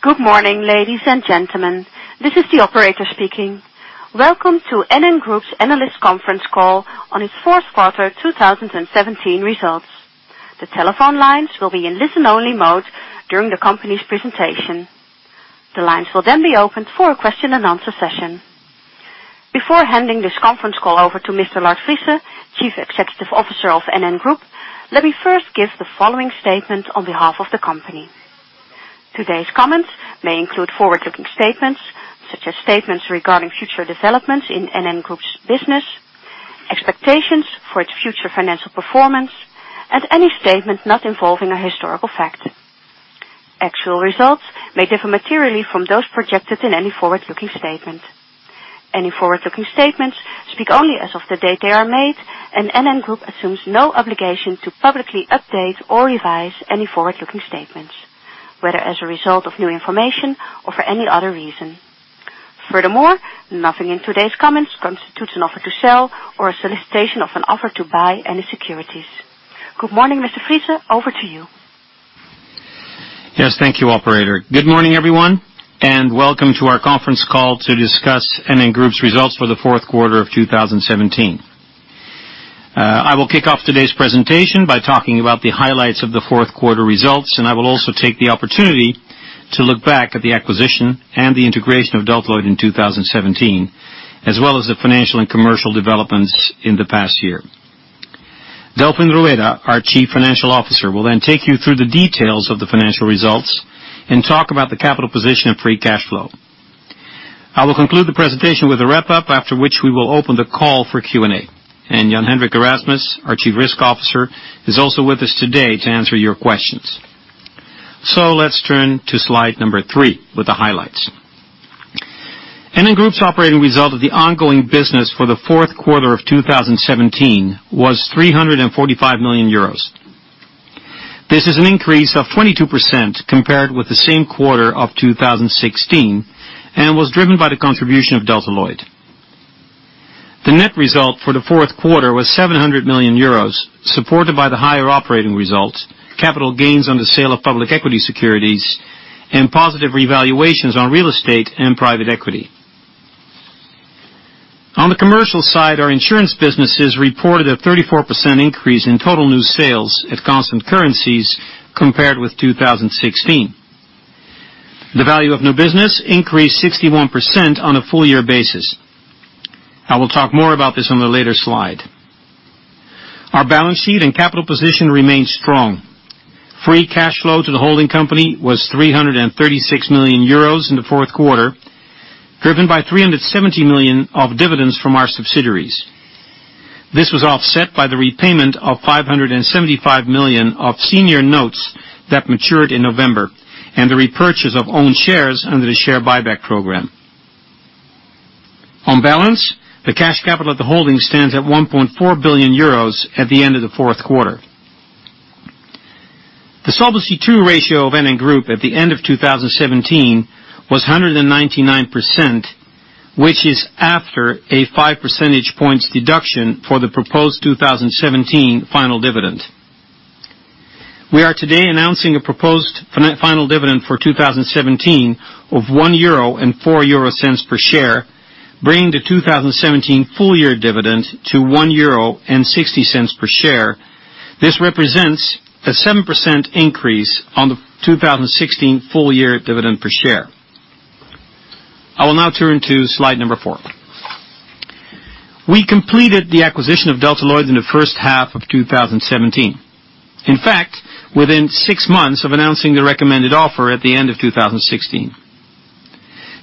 Good morning, ladies and gentlemen. This is the operator speaking. Welcome to NN Group's analyst conference call on its fourth quarter 2017 results. The telephone lines will be in listen-only mode during the company's presentation. The lines will then be opened for a question and answer session. Before handing this conference call over to Mr. Lard Friese, Chief Executive Officer of NN Group, let me first give the following statement on behalf of the company. Today's comments may include forward-looking statements such as statements regarding future developments in NN Group's business, expectations for its future financial performance, and any statement not involving a historical fact. Actual results may differ materially from those projected in any forward-looking statement. Any forward-looking statements speak only as of the date they are made, NN Group assumes no obligation to publicly update or revise any forward-looking statements, whether as a result of new information or for any other reason. Furthermore, nothing in today's comments constitutes an offer to sell or a solicitation of an offer to buy any securities. Good morning, Mr. Friese. Over to you. Yes. Thank you, operator. Good morning, everyone. Welcome to our conference call to discuss NN Group's results for the fourth quarter of 2017. I will kick off today's presentation by talking about the highlights of the fourth quarter results. I will also take the opportunity to look back at the acquisition and the integration of Delta Lloyd in 2017, as well as the financial and commercial developments in the past year. Delfin Rueda, our Chief Financial Officer, will then take you through the details of the financial results and talk about the capital position of free cash flow. I will conclude the presentation with a wrap-up, after which we will open the call for Q&A. Jan-Hendrik Erasmus, our Chief Risk Officer, is also with us today to answer your questions. Let's turn to slide number three with the highlights. NN Group's operating result of the ongoing business for the fourth quarter of 2017 was 345 million euros. This is an increase of 22% compared with the same quarter of 2016. Was driven by the contribution of Delta Lloyd. The net result for the fourth quarter was 700 million euros, supported by the higher operating results, capital gains on the sale of public equity securities, and positive revaluations on real estate and private equity. On the commercial side, our insurance businesses reported a 34% increase in total new sales at constant currencies compared with 2016. The value of new business increased 61% on a full year basis. I will talk more about this on the later slide. Our balance sheet and capital position remains strong. Free cash flow to the holding company was 336 million euros in the fourth quarter, driven by 370 million of dividends from our subsidiaries. This was offset by the repayment of 575 million of senior notes that matured in November and the repurchase of own shares under the share buyback program. On balance, the cash capital at the holding stands at 1.4 billion euros at the end of the fourth quarter. The Solvency II ratio of NN Group at the end of 2017 was 199%, which is after a five percentage points deduction for the proposed 2017 final dividend. We are today announcing a proposed final dividend for 2017 of 1.04 euro per share, bringing the 2017 full year dividend to 1.66 euro per share. This represents a 7% increase on the 2016 full year dividend per share. I will now turn to slide number four. We completed the acquisition of Delta Lloyd in the first half of 2017, in fact, within six months of announcing the recommended offer at the end of 2016.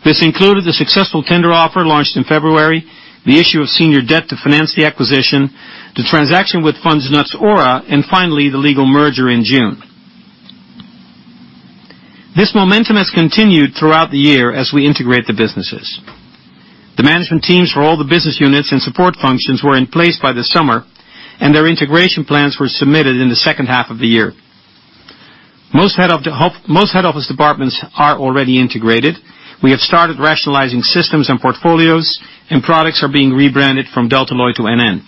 This included the successful tender offer launched in February, the issue of senior debt to finance the acquisition, the transaction with Fonds NutsOhra, and finally, the legal merger in June. This momentum has continued throughout the year as we integrate the businesses. The management teams for all the business units and support functions were in place by the summer, and their integration plans were submitted in the second half of the year. Most head office departments are already integrated. We have started rationalizing systems and portfolios, and products are being rebranded from Delta Lloyd to NN.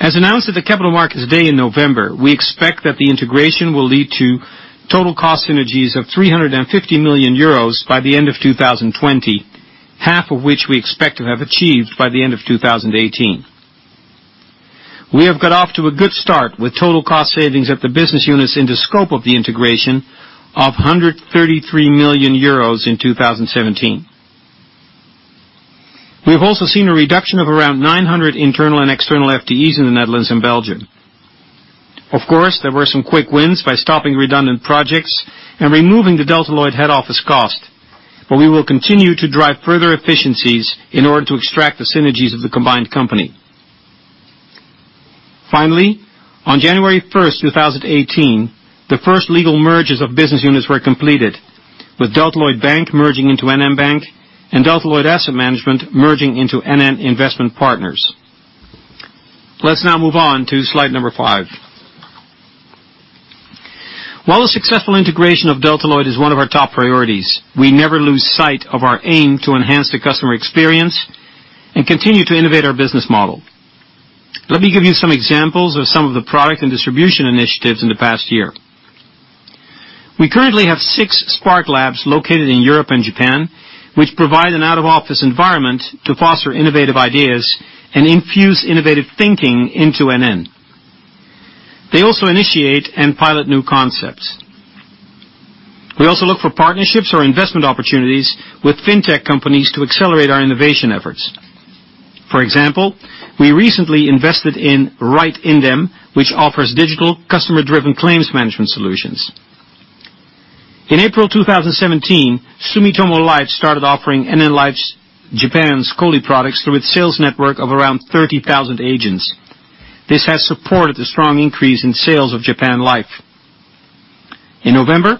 As announced at the Capital Markets Day in November, we expect that the integration will lead to total cost synergies of 350 million euros by the end of 2020, half of which we expect to have achieved by the end of 2018. We have got off to a good start with total cost savings at the business units in the scope of the integration of 133 million euros in 2017. We have also seen a reduction of around 900 internal and external FTEs in the Netherlands and Belgium. Of course, there were some quick wins by stopping redundant projects and removing the Delta Lloyd head office cost, but we will continue to drive further efficiencies in order to extract the synergies of the combined company. Finally, on January 1, 2018, the first legal mergers of business units were completed, with Delta Lloyd Bank merging into NN Bank and Delta Lloyd Asset Management merging into NN Investment Partners. Let's now move on to slide number five. While the successful integration of Delta Lloyd is one of our top priorities, we never lose sight of our aim to enhance the customer experience and continue to innovate our business model. Let me give you some examples of some of the product and distribution initiatives in the past year. We currently have six Sparklabs located in Europe and Japan, which provide an out-of-office environment to foster innovative ideas and infuse innovative thinking into NN. They also initiate and pilot new concepts. We also look for partnerships or investment opportunities with fintech companies to accelerate our innovation efforts. For example, we recently invested in RightIndem, which offers digital customer-driven claims management solutions. In April 2017, Sumitomo Life started offering NN Life Japan's COLI products through its sales network of around 30,000 agents. This has supported a strong increase in sales of Japan Life. In November,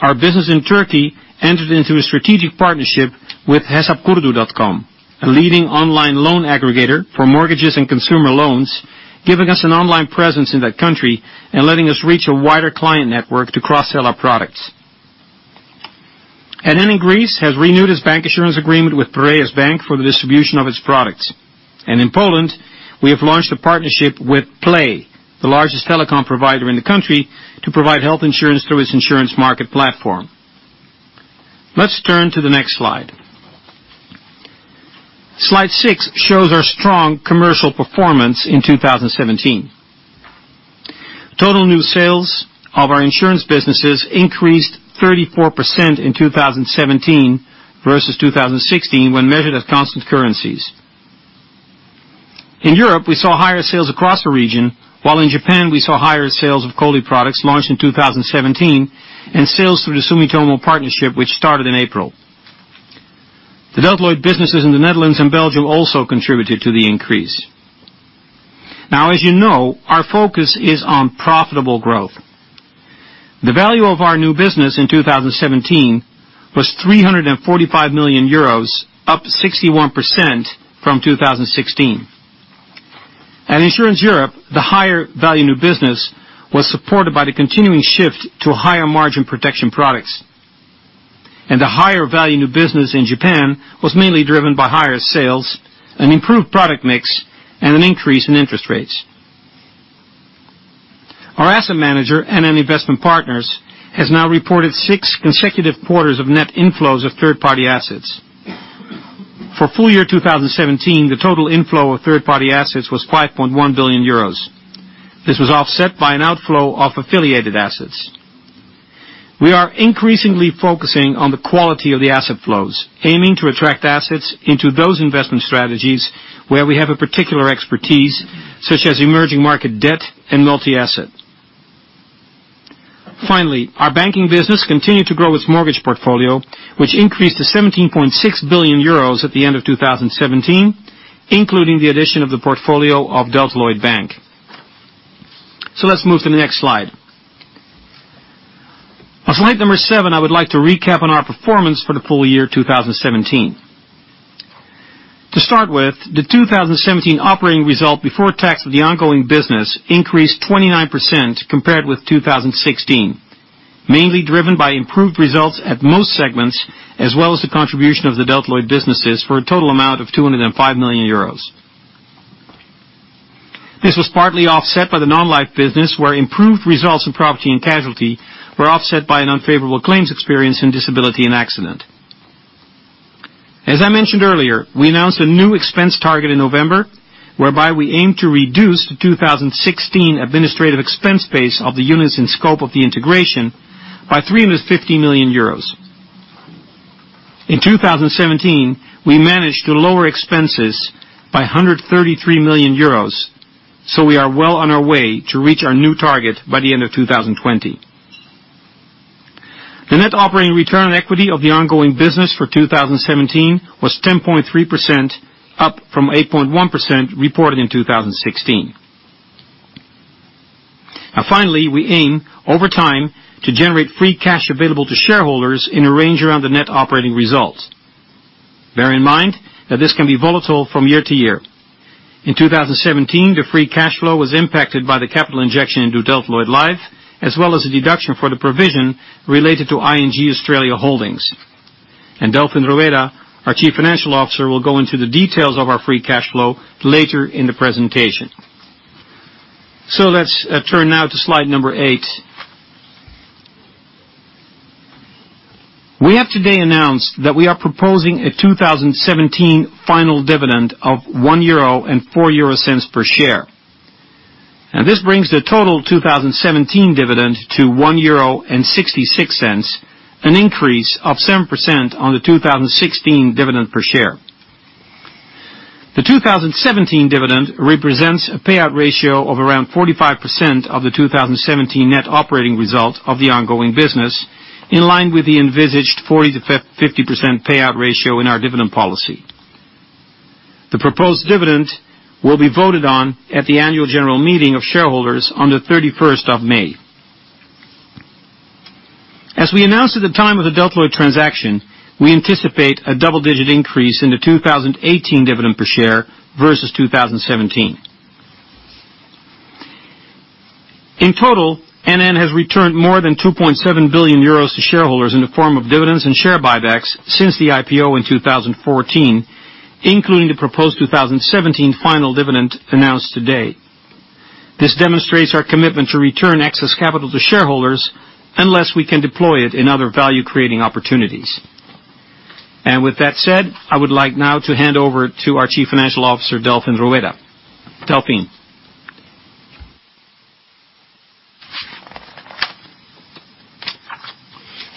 our business in Turkey entered into a strategic partnership with hesapkurdu.com, a leading online loan aggregator for mortgages and consumer loans, giving us an online presence in that country and letting us reach a wider client network to cross-sell our products. NN in Greece has renewed its bank insurance agreement with Piraeus Bank for the distribution of its products. In Poland, we have launched a partnership with Play, the largest telecom provider in the country, to provide health insurance through its insurance market platform. Let's turn to the next slide. Slide six shows our strong commercial performance in 2017. Total new sales of our insurance businesses increased 34% in 2017 versus 2016 when measured as constant currencies. In Europe, we saw higher sales across the region, while in Japan, we saw higher sales of COLI products launched in 2017 and sales through the Sumitomo partnership, which started in April. The Delta Lloyd businesses in the Netherlands and Belgium also contributed to the increase. As you know, our focus is on profitable growth. The value of our new business in 2017 was 345 million euros, up 61% from 2016. At Insurance Europe, the higher value new business was supported by the continuing shift to higher margin protection products, and the higher value new business in Japan was mainly driven by higher sales, an improved product mix, and an increase in interest rates. Our asset manager, NN Investment Partners, has now reported six consecutive quarters of net inflows of third-party assets. For full year 2017, the total inflow of third-party assets was 5.1 billion euros. This was offset by an outflow of affiliated assets. We are increasingly focusing on the quality of the asset flows, aiming to attract assets into those investment strategies where we have a particular expertise, such as emerging market debt and multi-asset. Finally, our banking business continued to grow its mortgage portfolio, which increased to 17.6 billion euros at the end of 2017, including the addition of the portfolio of Delta Lloyd Bank. Let's move to the next slide. On slide number seven, I would like to recap on our performance for the full year 2017. To start with, the 2017 operating result before tax of the ongoing business increased 29% compared with 2016, mainly driven by improved results at most segments, as well as the contribution of the Delta Lloyd businesses for a total amount of 205 million euros. This was partly offset by the non-life business, where improved results in property and casualty were offset by an unfavorable claims experience in disability and accident. As I mentioned earlier, we announced a new expense target in November, whereby we aim to reduce the 2016 administrative expense base of the units in scope of the integration by 350 million euros. In 2017, we managed to lower expenses by 133 million euros. We are well on our way to reach our new target by the end of 2020. The net operating return on equity of the ongoing business for 2017 was 10.3%, up from 8.1% reported in 2016. We aim over time to generate free cash available to shareholders in a range around the net operating results. Bear in mind that this can be volatile from year to year. In 2017, the free cash flow was impacted by the capital injection into Delta Lloyd Life, as well as the deduction for the provision related to ING Australia Holdings. Delfin Rueda, our Chief Financial Officer, will go into the details of our free cash flow later in the presentation. Let's turn now to slide eight. We have today announced that we are proposing a 2017 final dividend of 1.04 euro per share. This brings the total 2017 dividend to 1.66 euro, an increase of 7% on the 2016 dividend per share. The 2017 dividend represents a payout ratio of around 45% of the 2017 net operating result of the ongoing business, in line with the envisaged 40%-50% payout ratio in our dividend policy. The proposed dividend will be voted on at the annual general meeting of shareholders on the 31st of May. As we announced at the time of the Delta Lloyd transaction, we anticipate a double-digit increase in the 2018 dividend per share versus 2017. In total, NN has returned more than 2.7 billion euros to shareholders in the form of dividends and share buybacks since the IPO in 2014, including the proposed 2017 final dividend announced today. This demonstrates our commitment to return excess capital to shareholders unless we can deploy it in other value-creating opportunities. With that said, I would like now to hand over to our Chief Financial Officer, Delfin Rueda. Delfin.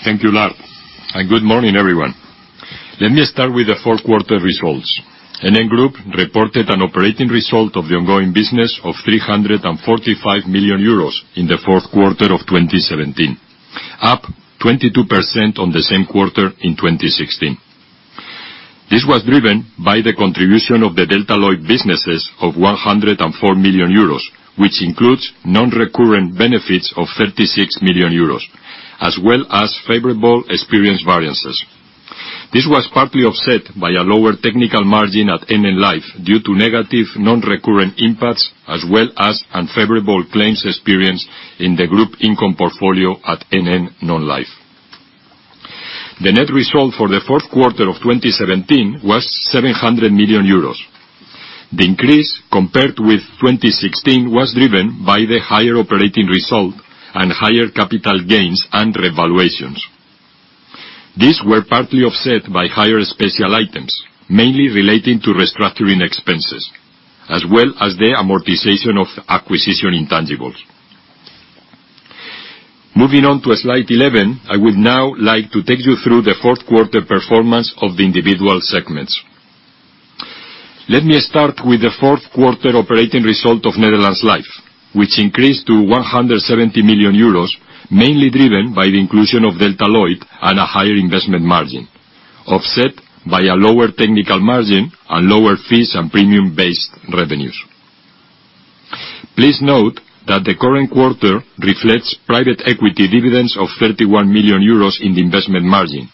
Thank you, Lard, and good morning, everyone. Let me start with the fourth quarter results. NN Group reported an operating result of the ongoing business of 345 million euros in the fourth quarter of 2017, up 22% on the same quarter in 2016. This was driven by the contribution of the Delta Lloyd businesses of 104 million euros, which includes non-recurrent benefits of 36 million euros, as well as favorable experience variances. This was partly offset by a lower technical margin at NN Life due to negative non-recurrent impacts, as well as unfavorable claims experience in the group income portfolio at NN Non-life. The net result for the fourth quarter of 2017 was 700 million euros. The increase compared with 2016 was driven by the higher operating result and higher capital gains and revaluations. These were partly offset by higher special items, mainly relating to restructuring expenses as well as the amortization of acquisition intangibles. Moving on to slide 11, I would now like to take you through the fourth quarter performance of the individual segments. Let me start with the fourth quarter operating result of Netherlands Life, which increased to 170 million euros, mainly driven by the inclusion of Delta Lloyd and a higher investment margin, offset by a lower technical margin and lower fees and premium-based revenues. Please note that the current quarter reflects private equity dividends of 31 million euros in the investment margin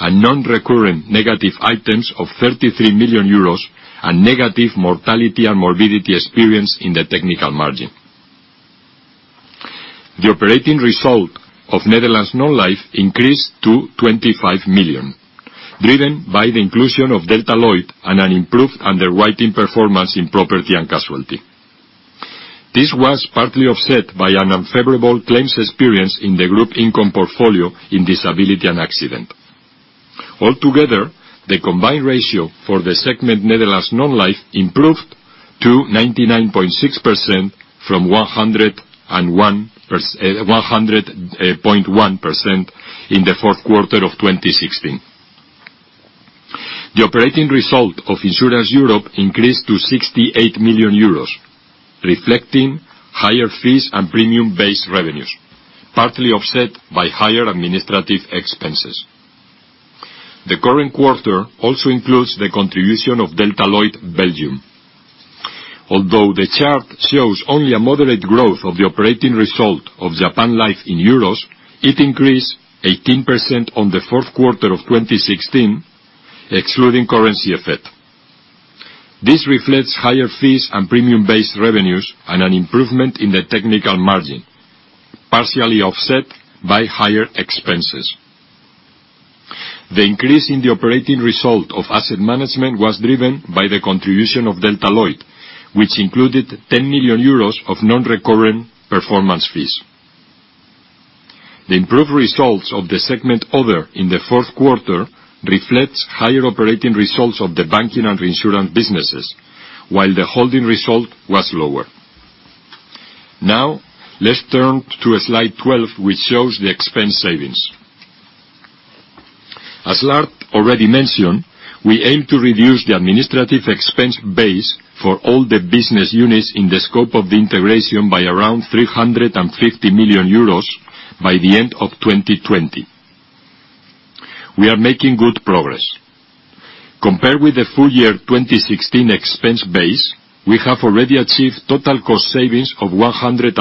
and non-recurrent negative items of 33 million euros and negative mortality and morbidity experience in the technical margin. The operating result of Netherlands Non-life increased to 25 million, driven by the inclusion of Delta Lloyd and an improved underwriting performance in property and casualty. This was partly offset by an unfavorable claims experience in the group income portfolio in disability and accident. Altogether, the combined ratio for the segment Netherlands Non-life improved to 99.6% from 100.1% in the fourth quarter of 2016. The operating result of Insurance Europe increased to 68 million euros, reflecting higher fees and premium-based revenues, partly offset by higher administrative expenses. The current quarter also includes the contribution of Delta Lloyd Belgium. Although the chart shows only a moderate growth of the operating result of Japan Life in EUR, it increased 18% on the fourth quarter of 2016, excluding currency effect. This reflects higher fees and premium-based revenues and an improvement in the technical margin, partially offset by higher expenses. The increase in the operating result of asset management was driven by the contribution of Delta Lloyd, which included 10 million euros of non-recurrent performance fees. The improved results of the segment other in the fourth quarter reflects higher operating results of the banking and reinsurance businesses, while the holding result was lower. Let's turn to slide 12, which shows the expense savings. As Lard already mentioned, we aim to reduce the administrative expense base for all the business units in the scope of the integration by around 350 million euros by the end of 2020. We are making good progress. Compared with the full year 2016 expense base, we have already achieved total cost savings of 133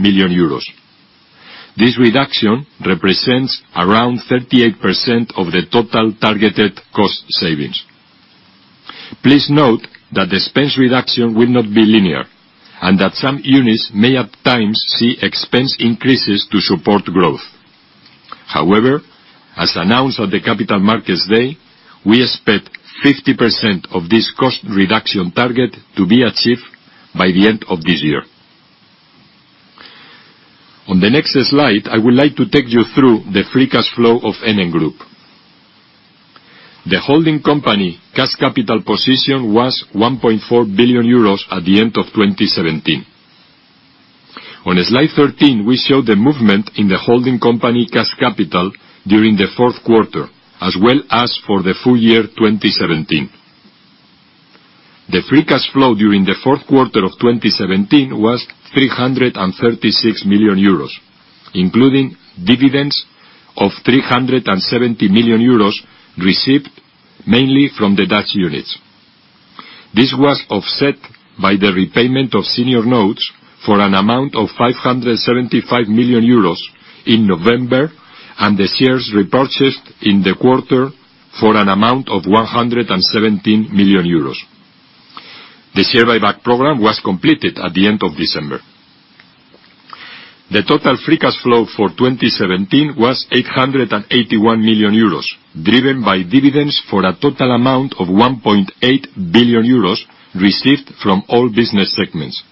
million euros. This reduction represents around 38% of the total targeted cost savings. Please note that expense reduction will not be linear, and that some units may at times see expense increases to support growth. As announced at the Capital Markets Day, we expect 50% of this cost reduction target to be achieved by the end of this year. On the next slide, I would like to take you through the free cash flow of NN Group. The holding company cash capital position was 1.4 billion euros at the end of 2017. On slide 13, we show the movement in the holding company cash capital during the fourth quarter, as well as for the full year 2017. The free cash flow during the fourth quarter of 2017 was 336 million euros, including dividends of 370 million euros received mainly from the Dutch units. This was offset by the repayment of senior notes for an amount of 575 million euros in November and the shares repurchased in the quarter for an amount of 117 million euros. The share buyback program was completed at the end of December. The total free cash flow for 2017 was 881 million euros, driven by dividends for a total amount of 1.8 billion euros received from all business segments.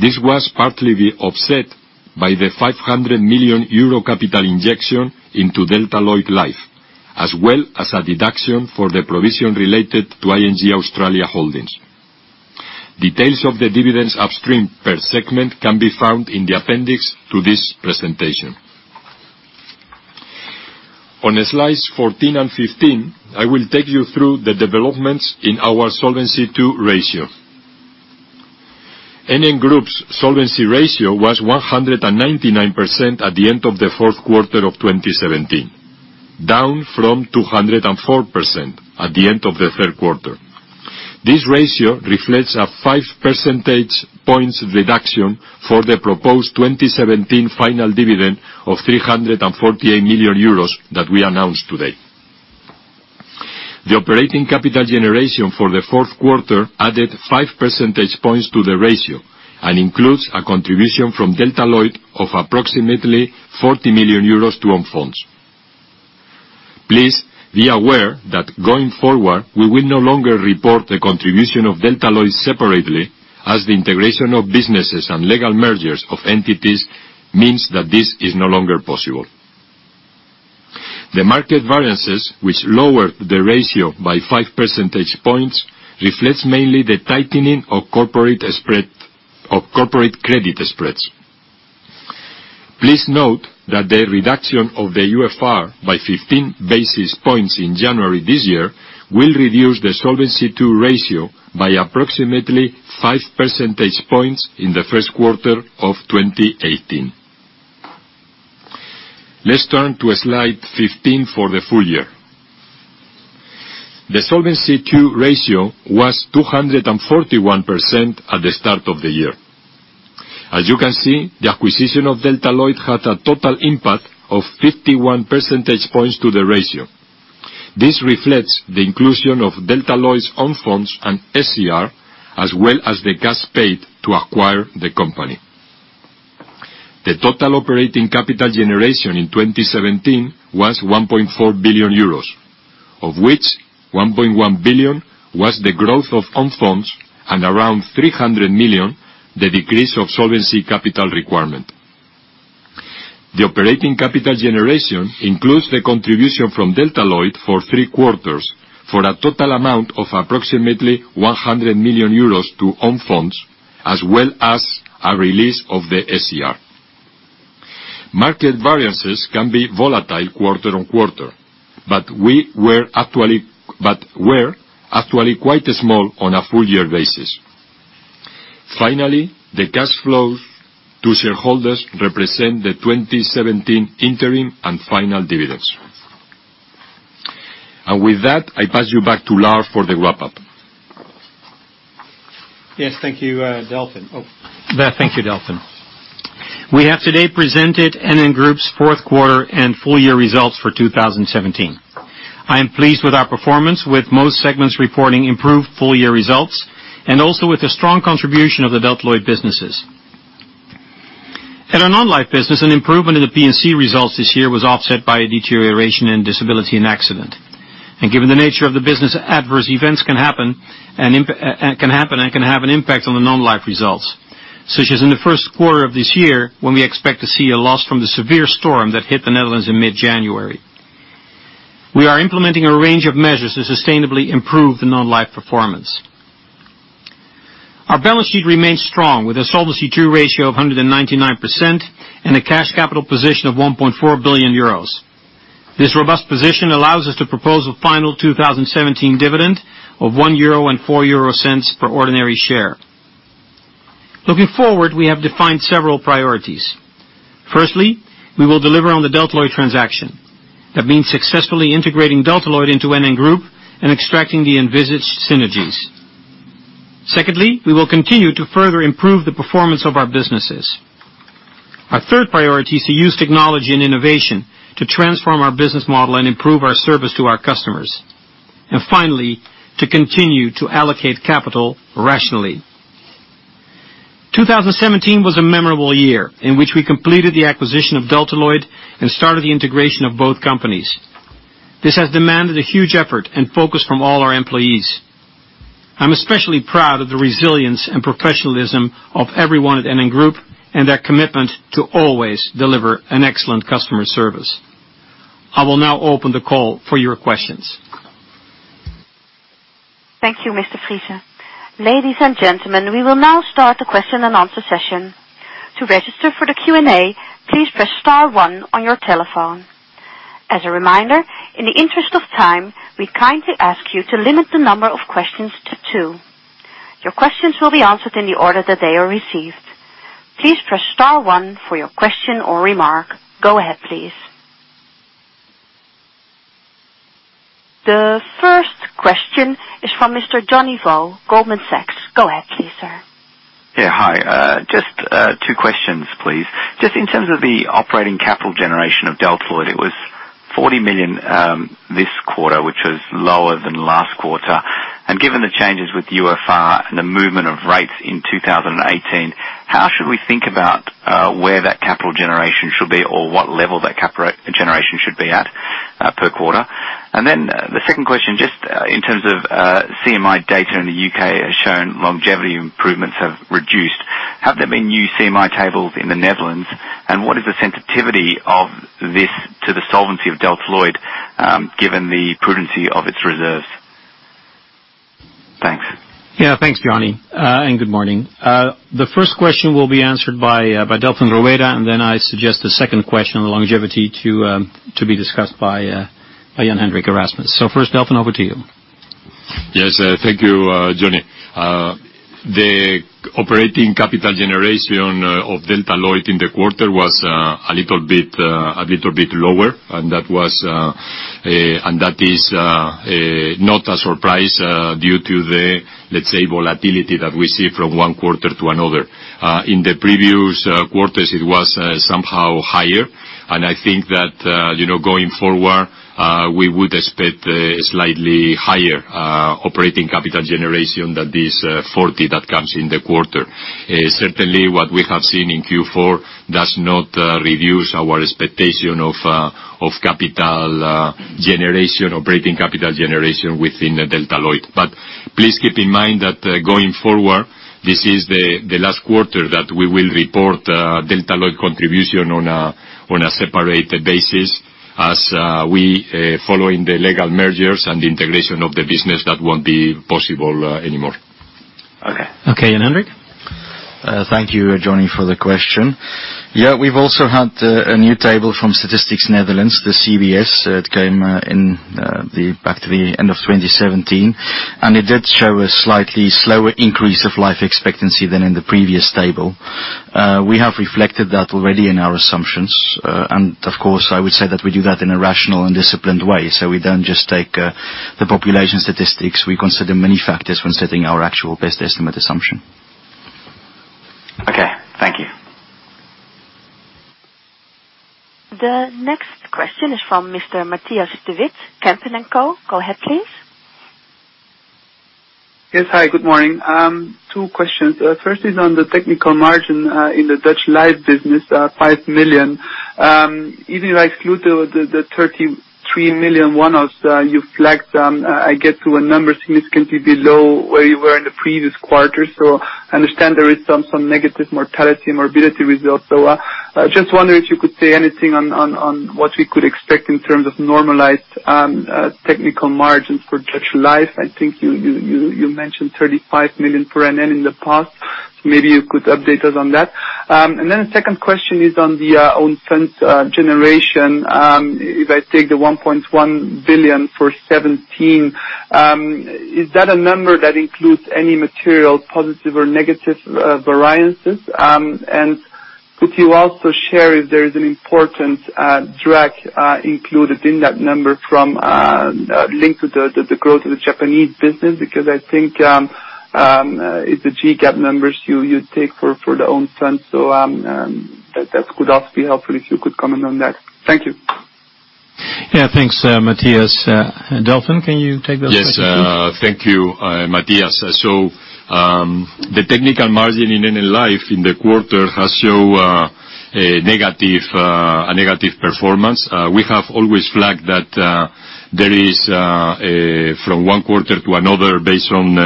This was partly offset by the 500 million euro capital injection into Delta Lloyd Life, as well as a deduction for the provision related to ING Australia Holdings. Details of the dividends upstream per segment can be found in the appendix to this presentation. On slides 14 and 15, I will take you through the developments in our Solvency II ratio. NN Group's solvency ratio was 199% at the end of the fourth quarter of 2017, down from 204% at the end of the third quarter. This ratio reflects a five percentage points reduction for the proposed 2017 final dividend of 348 million euros that we announced today. The operating capital generation for the fourth quarter added five percentage points to the ratio and includes a contribution from Delta Lloyd of approximately €40 million to own funds. Please be aware that going forward, we will no longer report the contribution of Delta Lloyd separately as the integration of businesses and legal mergers of entities means that this is no longer possible. The market variances, which lowered the ratio by 5 percentage points, reflect mainly the tightening of corporate credit spreads. Please note that the reduction of the UFR by 15 basis points in January this year will reduce the Solvency II ratio by approximately five percentage points in the first quarter of 2018. Let's turn to slide 15 for the full year. The Solvency II ratio was 241% at the start of the year. As you can see, the acquisition of Delta Lloyd had a total impact of 51 percentage points to the ratio. This reflects the inclusion of Delta Lloyd's own funds and SCR, as well as the cash paid to acquire the company. The total operating capital generation in 2017 was 1.4 billion euros, of which 1.1 billion was the growth of own funds, and around 300 million, the decrease of solvency capital requirement. The operating capital generation includes the contribution from Delta Lloyd for three quarters for a total amount of approximately 100 million euros to own funds, as well as a release of the SCR. Market variances can be volatile quarter on quarter, but were actually quite small on a full year basis. Finally, the cash flows to shareholders represent the 2017 interim and final dividends. With that, I pass you back to Lard for the wrap-up. Yes. Thank you, Delfin. We have today presented NN Group's fourth quarter and full year results for 2017. I am pleased with our performance, with most segments reporting improved full year results, and also with the strong contribution of the Delta Lloyd businesses. At our Non-life business, an improvement in the P&C results this year was offset by a deterioration in disability and accident. Given the nature of the business, adverse events can happen and can have an impact on the Non-life results, such as in the first quarter of this year, when we expect to see a loss from the severe storm that hit the Netherlands in mid-January. We are implementing a range of measures to sustainably improve the Non-life performance. Our balance sheet remains strong, with a Solvency II ratio of 199% and a cash capital position of €1.4 billion. This robust position allows us to propose a final 2017 dividend of €1.04 per ordinary share. Looking forward, we have defined several priorities. Firstly, we will deliver on the Delta Lloyd transaction. That means successfully integrating Delta Lloyd into NN Group and extracting the envisaged synergies. Secondly, we will continue to further improve the performance of our businesses. Our third priority is to use technology and innovation to transform our business model and improve our service to our customers. Finally, to continue to allocate capital rationally. 2017 was a memorable year in which we completed the acquisition of Delta Lloyd and started the integration of both companies. This has demanded a huge effort and focus from all our employees. I'm especially proud of the resilience and professionalism of everyone at NN Group and their commitment to always deliver an excellent customer service. I will now open the call for your questions. Thank you, Mr. Friese. Ladies and gentlemen, we will now start the question and answer session. To register for the Q&A, please press star one on your telephone. As a reminder, in the interest of time, we kindly ask you to limit the number of questions to two. Your questions will be answered in the order that they are received. Please press star one for your question or remark. Go ahead, please. The first question is from Mr. Johnny Vo, Goldman Sachs. Go ahead, please, sir. Just two questions, please. Just in terms of the operating capital generation of Delta Lloyd, it was 40 million this quarter, which was lower than last quarter. Given the changes with UFR and the movement of rates in 2018, how should we think about where that capital generation should be or what level that capital generation should be at per quarter? The second question, just in terms of CMI data in the U.K. has shown longevity improvements have reduced. Have there been new CMI tables in the Netherlands? And what is the sensitivity of this to the solvency of Delta Lloyd, given the prudency of its reserve? Thanks. Yeah. Thanks, Johnny. Good morning. The first question will be answered by Delfin Rueda, and then I suggest the second question on longevity to be discussed by Jan-Hendrik Erasmus. First, Delfin, over to you. Yes. Thank you, Johnny. The operating capital generation of Delta Lloyd in the quarter was a little bit lower, and that is not a surprise due to the, let's say, volatility that we see from one quarter to another. In the previous quarters, it was somehow higher, and I think that going forward, we would expect a slightly higher operating capital generation than this 40 that comes in the quarter. Certainly, what we have seen in Q4 does not reduce our expectation of operating capital generation within Delta Lloyd. Please keep in mind that going forward, this is the last quarter that we will report Delta Lloyd contribution on a separate basis. As we following the legal mergers and integration of the business, that won't be possible anymore. Okay. Okay, Jan-Hendrik. Thank you, Johnny, for the question. We've also had a new table from Statistics Netherlands, the CBS, that came back to the end of 2017, and it did show a slightly slower increase of life expectancy than in the previous table. We have reflected that already in our assumptions. Of course, I would say that we do that in a rational and disciplined way, so we don't just take the population statistics. We consider many factors when setting our actual best estimate assumption. Okay. Thank you. The next question is from Mr. Matthias de Wit, Kempen & Co. Go ahead, please. Yes. Hi, good morning. Two questions. First is on the technical margin in the Dutch Life business, 5 million. If I exclude the 33 million one-offs you flagged, I get to a number significantly below where you were in the previous quarter. I understand there is some negative mortality and morbidity results. Just wondering if you could say anything on what we could expect in terms of normalized technical margins for Dutch Life. I think you mentioned 35 million for NN in the past. Maybe you could update us on that. The second question is on the own funds generation. If I take the 1.1 billion for 2017, is that a number that includes any material, positive or negative variances? Could you also share if there is an important drag included in that number linked to the growth of the Japanese business? I think it's the GCAP numbers you take for the own funds. That could also be helpful if you could comment on that. Thank you. Thanks, Matthias. Delfin, can you take those questions, please? Thank you, Matthias. The technical margin in NN Life in the quarter has shown a negative performance. We have always flagged that there is, from one quarter to another, based on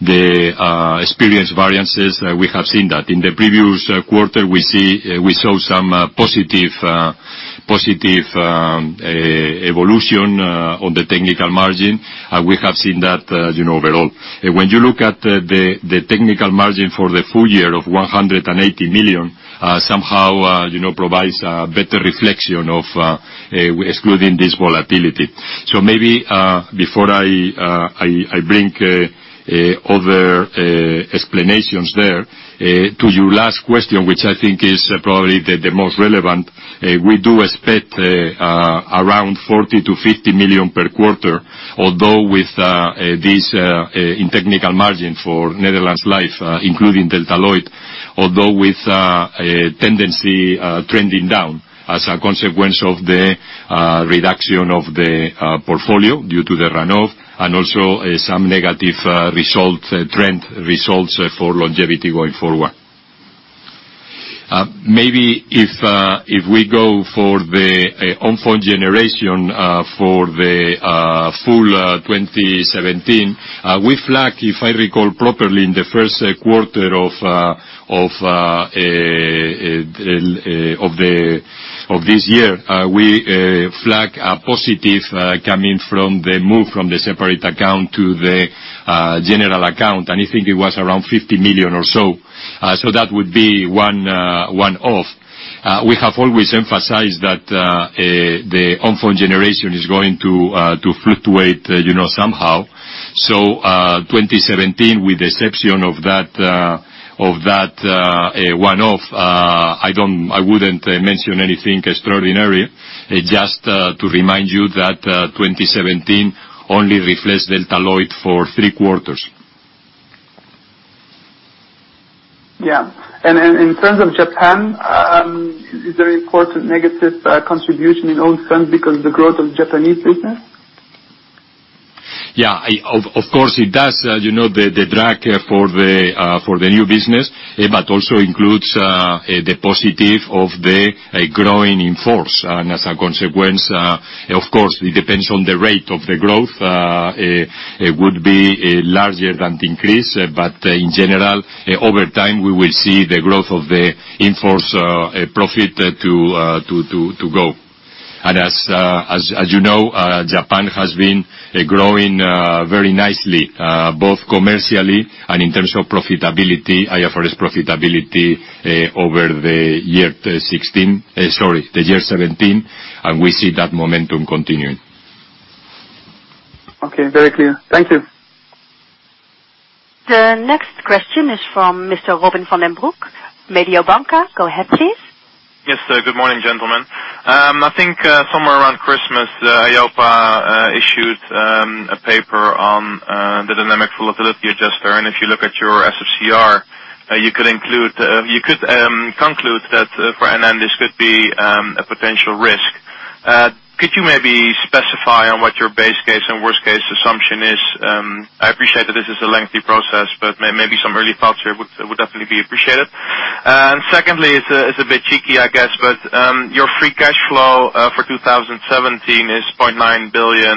the experience variances, we have seen that. In the previous quarter, we saw some positive evolution on the technical margin. We have seen that overall. When you look at the technical margin for the full year of 180 million, somehow provides a better reflection of excluding this volatility. Maybe before I bring other explanations there to your last question, which I think is probably the most relevant. We do expect around 40 million-50 million per quarter, although with this in technical margin for Netherlands Life, including Delta Lloyd. With a tendency trending down as a consequence of the reduction of the portfolio due to the run-off and also some negative trend results for longevity going forward. If we go for the own fund generation for the full 2017. We flagged, if I recall properly, in the first quarter of this year. We flag a positive coming from the move from the separate account to the general account, and I think it was around 50 million or so. That would be one-off. We have always emphasized that the own fund generation is going to fluctuate somehow. 2017, with the exception of that one-off I wouldn't mention anything extraordinary. Just to remind you that 2017 only reflects Delta Lloyd for three quarters. In terms of Japan, is there important negative contribution in own funds because of the growth of Japanese business? Of course, it does. The drag for the new business, but also includes the positive of the growing in-force. As a consequence, of course, it depends on the rate of the growth. It would be larger than the increase. In general, over time, we will see the growth of the in-force profit to go. As you know, Japan has been growing very nicely, both commercially and in terms of profitability, IFRS profitability over the year 2016, sorry, the year 2017, and we see that momentum continuing. Okay, very clear. Thank you. The next question is from Mr. Robin van den Broek, Mediobanca. Go ahead, please. Yes, good morning, gentlemen. I think somewhere around Christmas, EIOPA issued a paper on the dynamic volatility adjustment, and if you look at your SFCR, you could conclude that for NN, this could be a potential risk. Could you maybe specify on what your base case and worst case assumption is? I appreciate that this is a lengthy process, but maybe some early thoughts here would definitely be appreciated. Secondly, it's a bit cheeky, I guess, but your free cash flow for 2017 is 0.9 billion,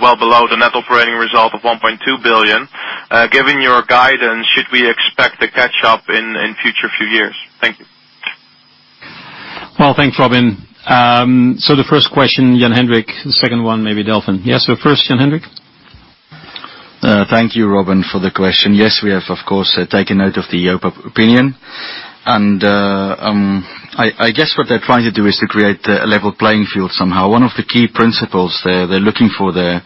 well below the net operating result of 1.2 billion. Given your guidance, should we expect a catch-up in future few years? Thank you. Well, thanks, Robin. The first question, Jan-Hendrik, the second one, maybe Delfin. Yeah, first, Jan-Hendrik. Thank you, Robin, for the question. Yes, we have, of course, taken note of the EIOPA opinion. I guess what they're trying to do is to create a level playing field somehow. One of the key principles they're looking for there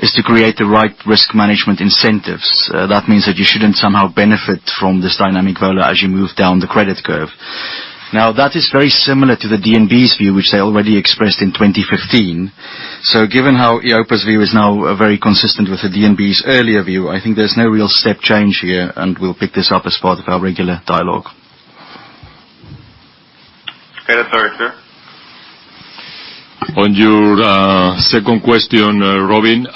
is to create the right risk management incentives. That means that you shouldn't somehow benefit from this dynamic value as you move down the credit curve. That is very similar to the DNB's view, which they already expressed in 2015. Given how EIOPA's view is now very consistent with the DNB's earlier view, I think there's no real step change here, and we'll pick this up as part of our regular dialogue. Okay. That's all right, sir. On your second question, Robin,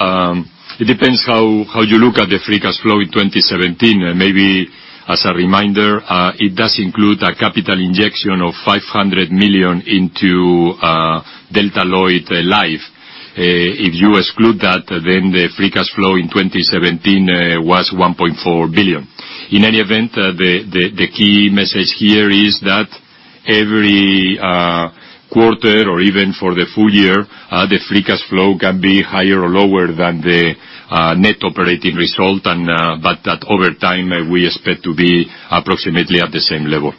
it depends how you look at the free cash flow in 2017. Maybe as a reminder, it does include a capital injection of 500 million into Delta Lloyd Life. If you exclude that, then the free cash flow in 2017 was 1.4 billion. In any event, the key message here is that every quarter or even for the full year, the free cash flow can be higher or lower than the net operating result, but that over time, we expect to be approximately at the same level.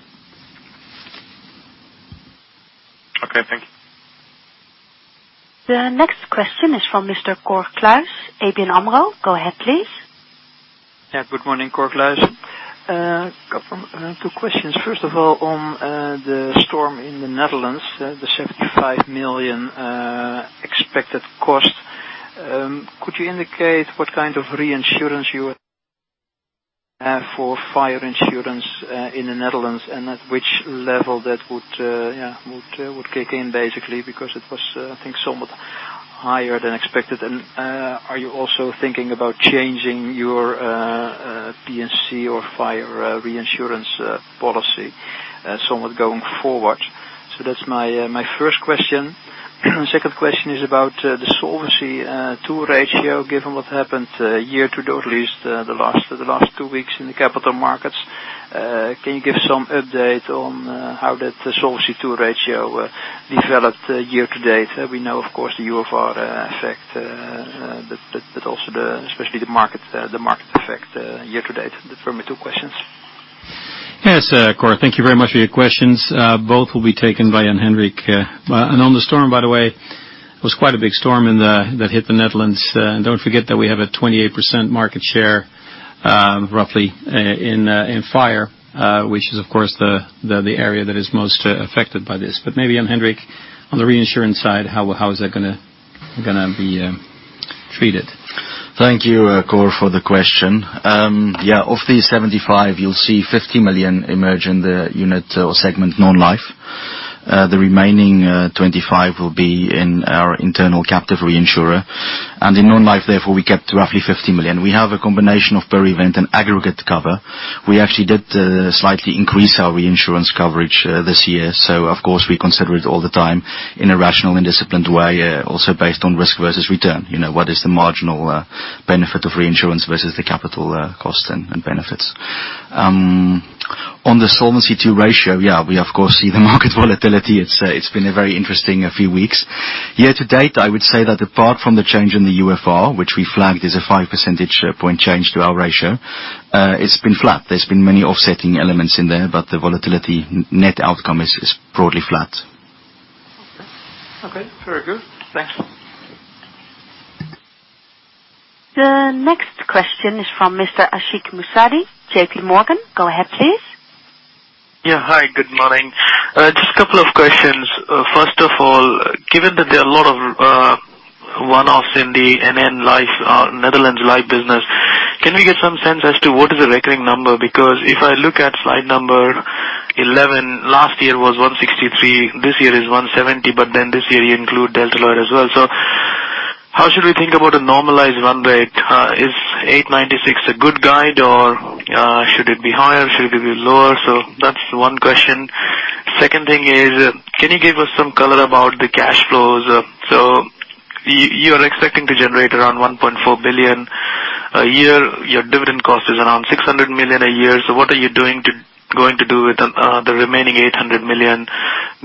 Okay, thank you. The next question is from Mr. Cor Kluis, ABN AMRO. Go ahead, please. Yeah, good morning, Cor Kluis. Two questions. First of all, on the storm in the Netherlands, the 75 million expected cost. Could you indicate what kind of reinsurance you have for fire insurance in the Netherlands and at which level that would kick in, basically, because it was, I think, somewhat higher than expected. Are you also thinking about changing your P&C or fire reinsurance policy somewhat going forward? That's my first question. Second question is about the Solvency II ratio, given what happened year to date, or at least the last two weeks in the capital markets. Can you give some update on how that Solvency II ratio developed year to date? We know, of course, the UFR effect, also especially the market effect year to date. Those are my two questions. Yes, Cor. Thank you very much for your questions. Both will be taken by Jan-Hendrik. On the storm, by the way, it was quite a big storm that hit the Netherlands. Don't forget that we have a 28% market share, roughly, in fire, which is, of course, the area that is most affected by this. Maybe Jan-Hendrik, on the reinsurance side, how is that going to be treated? Thank you, Cor, for the question. Yeah, of the 75, you'll see 50 million emerge in the unit or segment non-life. The remaining 25 will be in our internal captive reinsurer. In non-life, therefore, we kept roughly 50 million. We have a combination of per event and aggregate cover. We actually did slightly increase our reinsurance coverage this year. Of course, we consider it all the time in a rational and disciplined way, also based on risk versus return. What is the marginal benefit of reinsurance versus the capital cost and benefits? On the Solvency II ratio, yeah, we of course see the market volatility. It's been a very interesting few weeks. Year to date, I would say that apart from the change in the UFR, which we flagged is a five percentage point change to our ratio, it's been flat. There's been many offsetting elements in there. The volatility net outcome is broadly flat. Okay. Very good. Thanks. The next question is from Mr. Ashik Musaddi, JPMorgan. Go ahead, please. Hi, good morning. Just a couple of questions. First of all, given that there are a lot of one-offs in the NN Netherlands Life business, can we get some sense as to what is the recurring number? If I look at slide number 11, last year was 163, this year is 170. This year you include Delta Lloyd as well. How should we think about a normalized run rate? Is 896 a good guide or should it be higher? Should it be lower? That's one question. Second thing is, can you give us some color about the cash flows? You are expecting to generate around 1.4 billion a year. Your dividend cost is around 600 million a year. What are you going to do with the remaining 800 million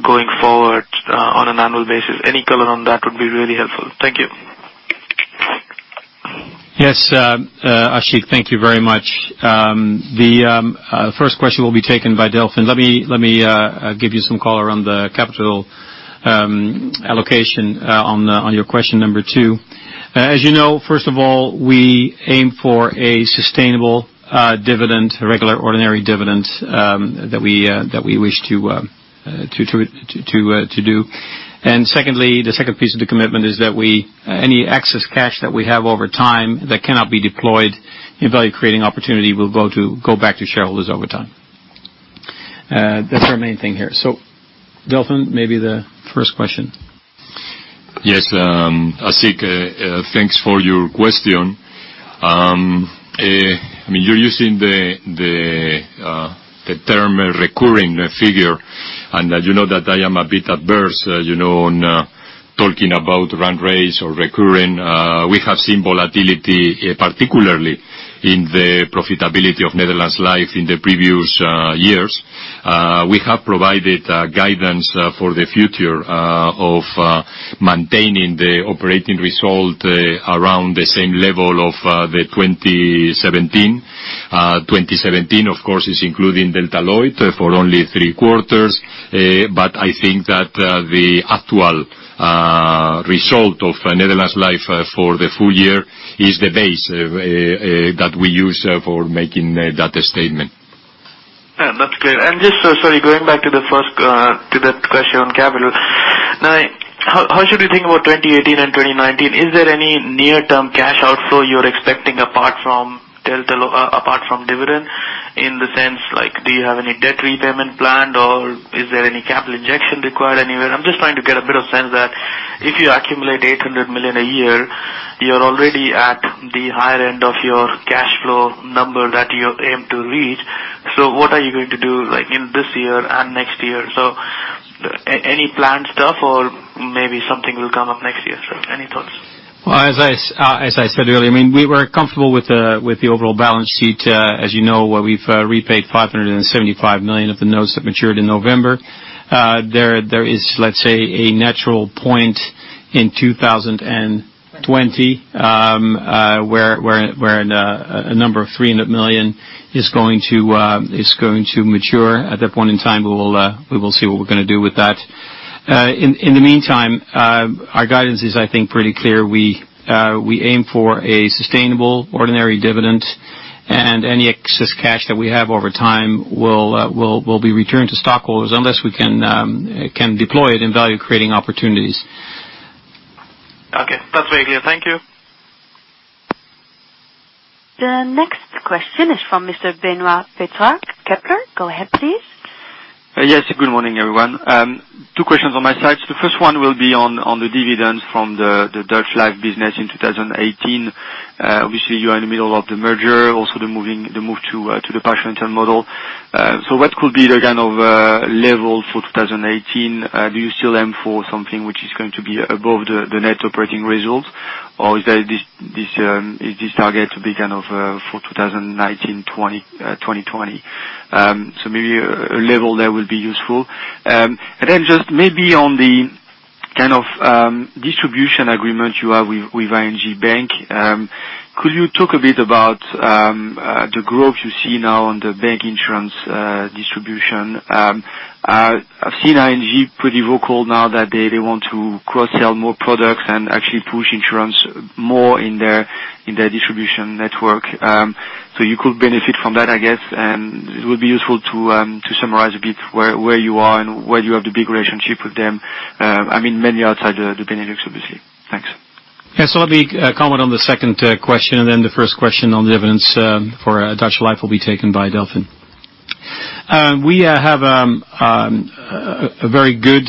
going forward on an annual basis? Any color on that would be really helpful. Thank you. Yes, Ashik, thank you very much. The first question will be taken by Delfin. Let me give you some color on the capital allocation on your question number two. As you know, first of all, we aim for a sustainable dividend, regular ordinary dividend, that we wish to do. Secondly, the second piece of the commitment is that any excess cash that we have over time that cannot be deployed in value creating opportunity will go back to shareholders over time. That's our main thing here. Delfin, maybe the first question. Yes. Ashik, thanks for your question. You're using the term recurring figure, you know that I am a bit adverse on talking about run rates or recurring. We have seen volatility, particularly in the profitability of Netherlands Life in the previous years. We have provided guidance for the future of maintaining the operating result around the same level of the 2017. 2017, of course, is including Delta Lloyd for only three quarters. I think that the actual result of Netherlands Life for the full year is the base that we use for making that statement. Yeah, that's clear. Just, sorry, going back to the first, to that question on capital. How should we think about 2018 and 2019? Is there any near-term cash outflow you're expecting apart from dividend? In the sense, do you have any debt repayment planned, or is there any capital injection required anywhere? I'm just trying to get a bit of sense that if you accumulate 800 million a year, you're already at the higher end of your cash flow number that you aim to reach. What are you going to do in this year and next year? Any planned stuff or maybe something will come up next year. Any thoughts? As I said earlier, we were comfortable with the overall balance sheet. As you know, we've repaid 575 million of the notes that matured in November. There is, let's say, a natural point in 2020, where a number of 300 million is going to mature. At that point in time, we will see what we're going to do with that. In the meantime, our guidance is, I think, pretty clear. We aim for a sustainable ordinary dividend, and any excess cash that we have over time will be returned to stockholders unless we can deploy it in value creating opportunities. Okay. That's very clear. Thank you. The next question is from Mr. Benoit Petrarque, Kepler Cheuvreux. Go ahead, please. Yes. Good morning, everyone. Two questions on my side. The first one will be on the dividends from the Netherlands Life business in 2018. Obviously, you are in the middle of the merger, also the move to the partial internal model. So what could be the kind of level for 2018? Do you still aim for something which is going to be above the net operating results? Or is this target to be for 2019, 2020? So maybe a level there will be useful. Then just maybe on the kind of distribution agreement you have with ING Bank. Could you talk a bit about the growth you see now on the bank insurance distribution? I've seen ING pretty vocal now that they want to cross-sell more products and actually push insurance more in their distribution network. So you could benefit from that, I guess. It would be useful to summarize a bit where you are and where you have the big relationship with them. I mean, mainly outside the Benelux, obviously. Thanks. Yeah. Let me comment on the second question, and then the first question on dividends for Dutch Life will be taken by Delfin. We have a very good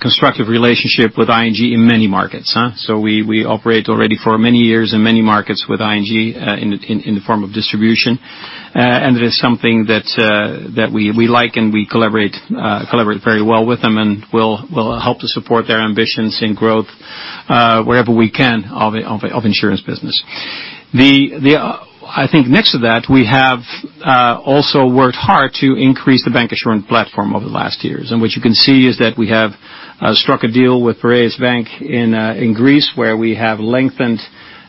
constructive relationship with ING in many markets, huh? We operate already for many years in many markets with ING, in the form of distribution. It is something that we like and we collaborate very well with them, and we'll help to support their ambitions in growth wherever we can of insurance business. I think next to that, we have also worked hard to increase the bank insurance platform over the last years. What you can see is that we have struck a deal with Piraeus Bank in Greece, where we have lengthened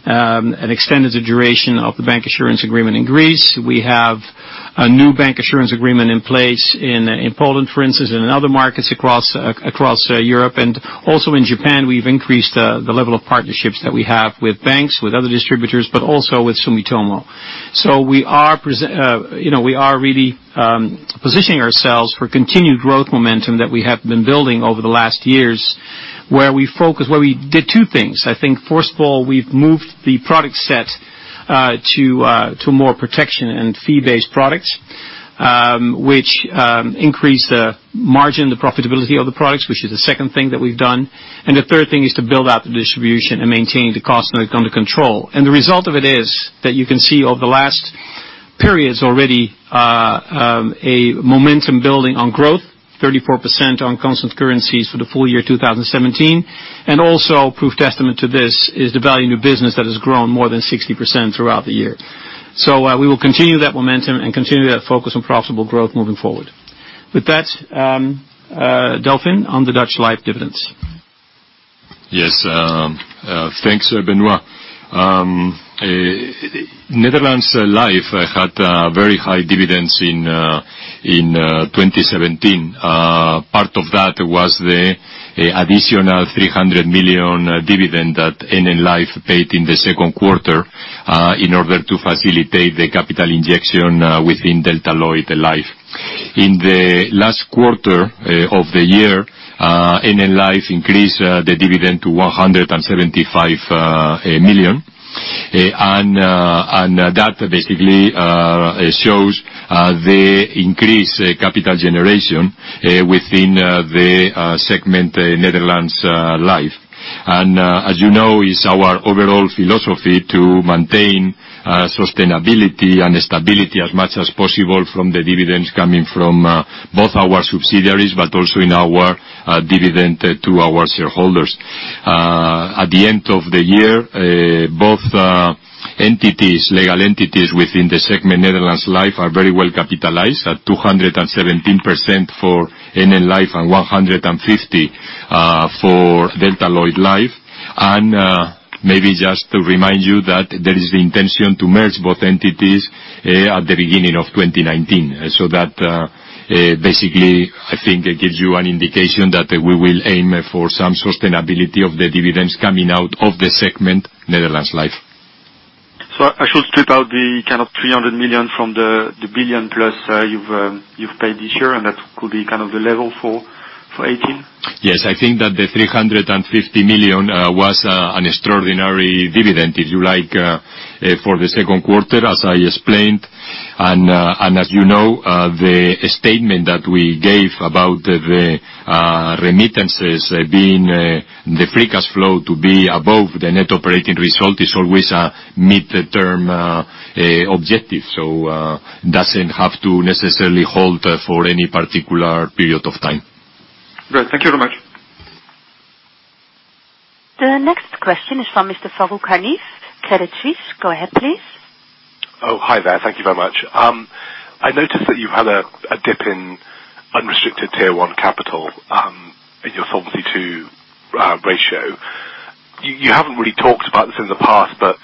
and extended the duration of the bank insurance agreement in Greece. We have a new bank insurance agreement in place in Poland, for instance, and in other markets across Europe. Also in Japan, we've increased the level of partnerships that we have with banks, with other distributors, but also with Sumitomo. We are really positioning ourselves for continued growth momentum that we have been building over the last years, where we did two things. I think, first of all, we've moved the product set to more protection and fee-based products, which increase the margin, the profitability of the products, which is the second thing that we've done. The third thing is to build out the distribution and maintain the costs under control. The result of it is that you can see over the last periods already, a momentum building on growth, 34% on constant currencies for the full year 2017. Also proof testament to this is the value of new business that has grown more than 60% throughout the year. We will continue that momentum and continue that focus on profitable growth moving forward. With that, Delfin on the Dutch Life dividends. Yes, thanks, Benoit. Netherlands Life had very high dividends in 2017. Part of that was the additional 300 million dividend that NN Life paid in the second quarter, in order to facilitate the capital injection within Delta Lloyd Life. In the last quarter of the year, NN Life increased the dividend to 175 million. That basically shows the increased capital generation within the segment, Netherlands Life. As you know, it's our overall philosophy to maintain sustainability and stability as much as possible from the dividends coming from both our subsidiaries, but also in our dividend to our shareholders. At the end of the year, both legal entities within the segment, Netherlands Life, are very well capitalized at 217% for NN Life and 150% for Delta Lloyd Life. Maybe just to remind you that there is the intention to merge both entities at the beginning of 2019. That basically, I think, gives you an indication that we will aim for some sustainability of the dividends coming out of the segment, Netherlands Life. I should strip out the 300 million from the 1 billion plus you've paid this year, and that could be the level for 2018? Yes. I think that the 350 million was an extraordinary dividend, if you like, for the second quarter, as I explained. As you know, the statement that we gave about the remittances, the free cash flow to be above the net operating result is always a mid-term objective. It doesn't have to necessarily hold for any particular period of time. Great. Thank you very much. The next question is from Mr. Farooq Hanif, Credit Suisse. Go ahead, please. Hi there. Thank you very much. I noticed that you had a dip in unrestricted Tier 1 capital in your Solvency II ratio. You haven't really talked about this in the past, but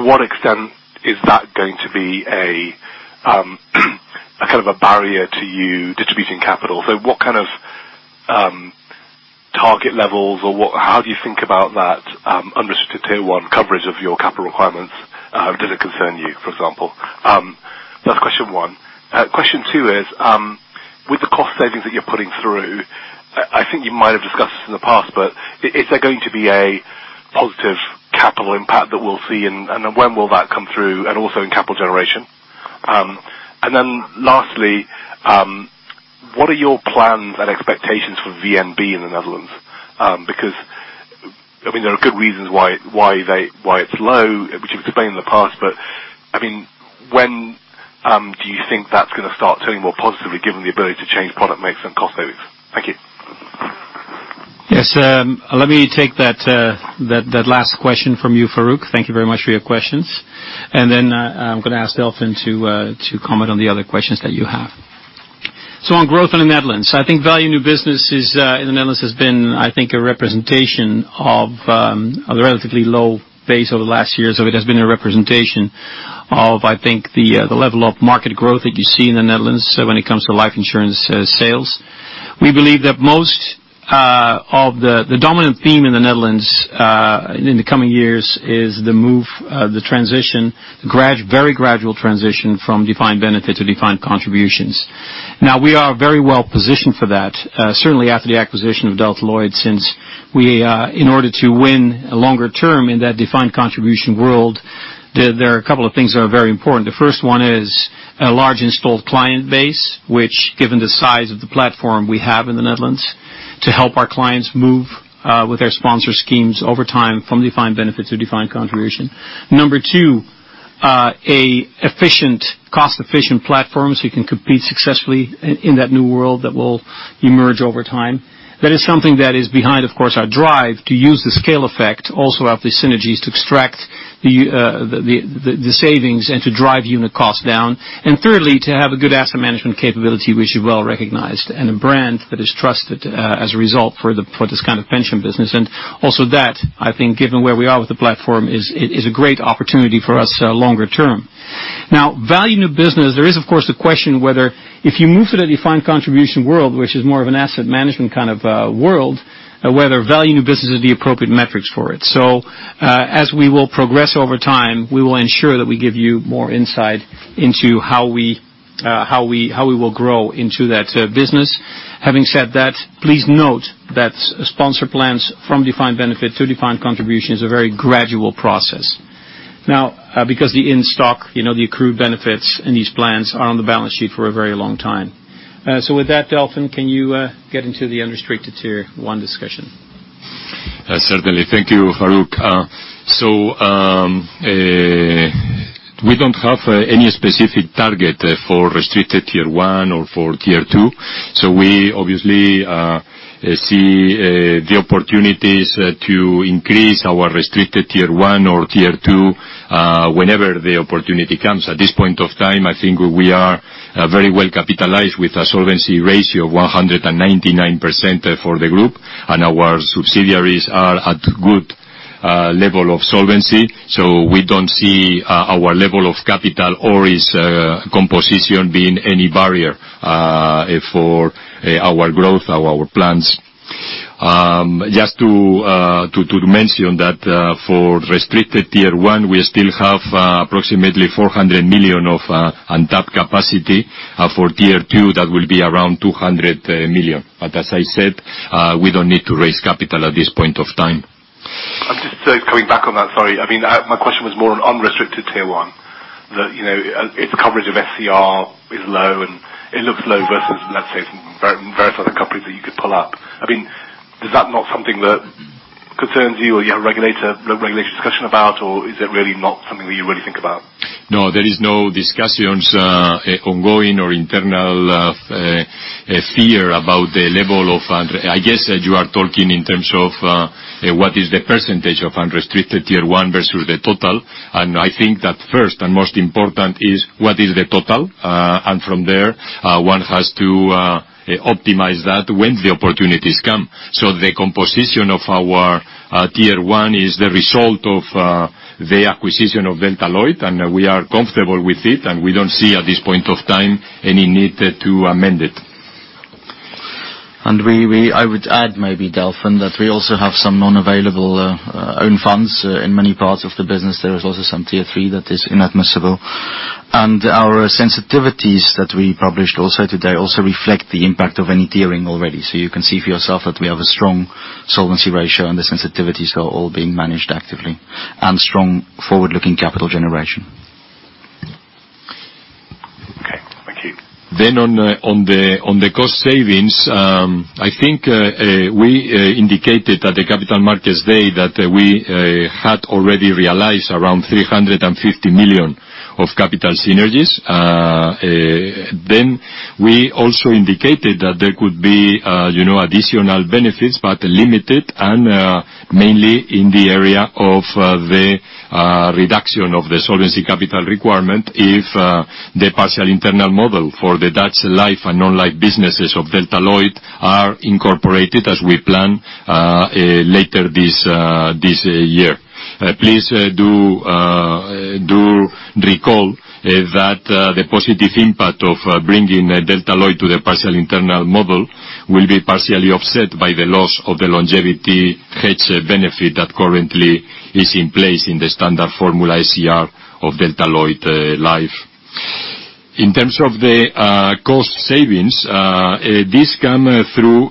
to what extent is that going to be a barrier to you distributing capital? What kind of target levels, or how do you think about that unrestricted Tier 1 coverage of your capital requirements? Does it concern you, for example? That's question one. Question two is, with the cost savings that you're putting through, I think you might have discussed this in the past, but is there going to be a positive capital impact that we'll see, and when will that come through, and also in capital generation? Then lastly, what are your plans and expectations for VNB in the Netherlands? There are good reasons why it's low, which you've explained in the past. When do you think that's going to start turning more positively, given the ability to change product mix and cost savings? Thank you. Yes. Let me take that last question from you, Farooq. Thank you very much for your questions. I'm going to ask Delfin to comment on the other questions that you have. On growth in the Netherlands, I think value new business in the Netherlands has been, I think, a representation of the relatively low base over the last year. It has been a representation of, I think, the level of market growth that you see in the Netherlands when it comes to life insurance sales. We believe that most of the dominant theme in the Netherlands in the coming years is the transition, very gradual transition from defined benefit to defined contributions. We are very well positioned for that. Certainly, after the acquisition of Delta Lloyd, since in order to win longer term in that defined contribution world, there are a couple of things that are very important. The first one is a large installed client base, which given the size of the platform we have in the Netherlands, to help our clients move with their sponsor schemes over time, from defined benefit to defined contribution. Number 2, a cost-efficient platform so you can compete successfully in that new world that will emerge over time. That is something that is behind, of course, our drive to use the scale effect also of the synergies to extract the savings and to drive unit cost down. Thirdly, to have a good asset management capability, which is well-recognized, and a brand that is trusted as a result for this kind of pension business. Also that, I think, given where we are with the platform, is a great opportunity for us longer term. Value new business. There is, of course, the question whether if you move to the defined contribution world, which is more of an asset management kind of world, whether valuing the business is the appropriate metrics for it. As we will progress over time, we will ensure that we give you more insight into how we will grow into that business. Having said that, please note that sponsor plans from defined benefit to defined contribution is a very gradual process. Because the in-stock, the accrued benefits in these plans are on the balance sheet for a very long time. With that, Delfin, can you get into the unrestricted Tier 1 discussion? Certainly. Thank you, Farooq. We don't have any specific target for restricted Tier 1 or for Tier 2. We obviously see the opportunities to increase our restricted Tier 1 or Tier 2, whenever the opportunity comes. At this point of time, I think we are very well capitalized with a solvency ratio of 199% for the group, and our subsidiaries are at good level of solvency. We don't see our level of capital or its composition being any barrier for our growth or our plans. Just to mention that for restricted Tier 1, we still have approximately 400 million of untapped capacity. For Tier 2, that will be around 200 million. As I said, we don't need to raise capital at this point of time. Just coming back on that, sorry. My question was more on unrestricted Tier 1. That its coverage of SCR is low, and it looks low versus, let's say, from various other companies that you could pull up. Does that not something that concerns you or you have regulation discussion about, or is it really not something that you really think about? No, there is no discussions ongoing or internal fear about the level of I guess that you are talking in terms of, what is the percentage of unrestricted Tier 1 versus the total. I think that first and most important is what is the total, and from there, one has to optimize that when the opportunities come. The composition of our Tier 1 is the result of the acquisition of Delta Lloyd, and we are comfortable with it, and we don't see at this point of time any need to amend it. I would add maybe, Delfin, that we also have some non-available own funds in many parts of the business. There is also some Tier 3 that is inadmissible. Our sensitivities that we published also today also reflect the impact of any tiering already. You can see for yourself that we have a strong solvency ratio, and the sensitivities are all being managed actively, and strong forward-looking capital generation. Okay. Thank you. On the cost savings, we indicated at the Capital Markets Day that we had already realized around 350 million of capital synergies. We also indicated that there could be additional benefits, but limited and mainly in the area of the reduction of the Solvency Capital Requirement if the partial internal model for the Dutch life and non-life businesses of Delta Lloyd are incorporated as we plan later this year. Please do recall that the positive impact of bringing Delta Lloyd to the partial internal model will be partially offset by the loss of the longevity hedge benefit that currently is in place in the Standard Formula SCR of Delta Lloyd Life. In terms of the cost savings, this come through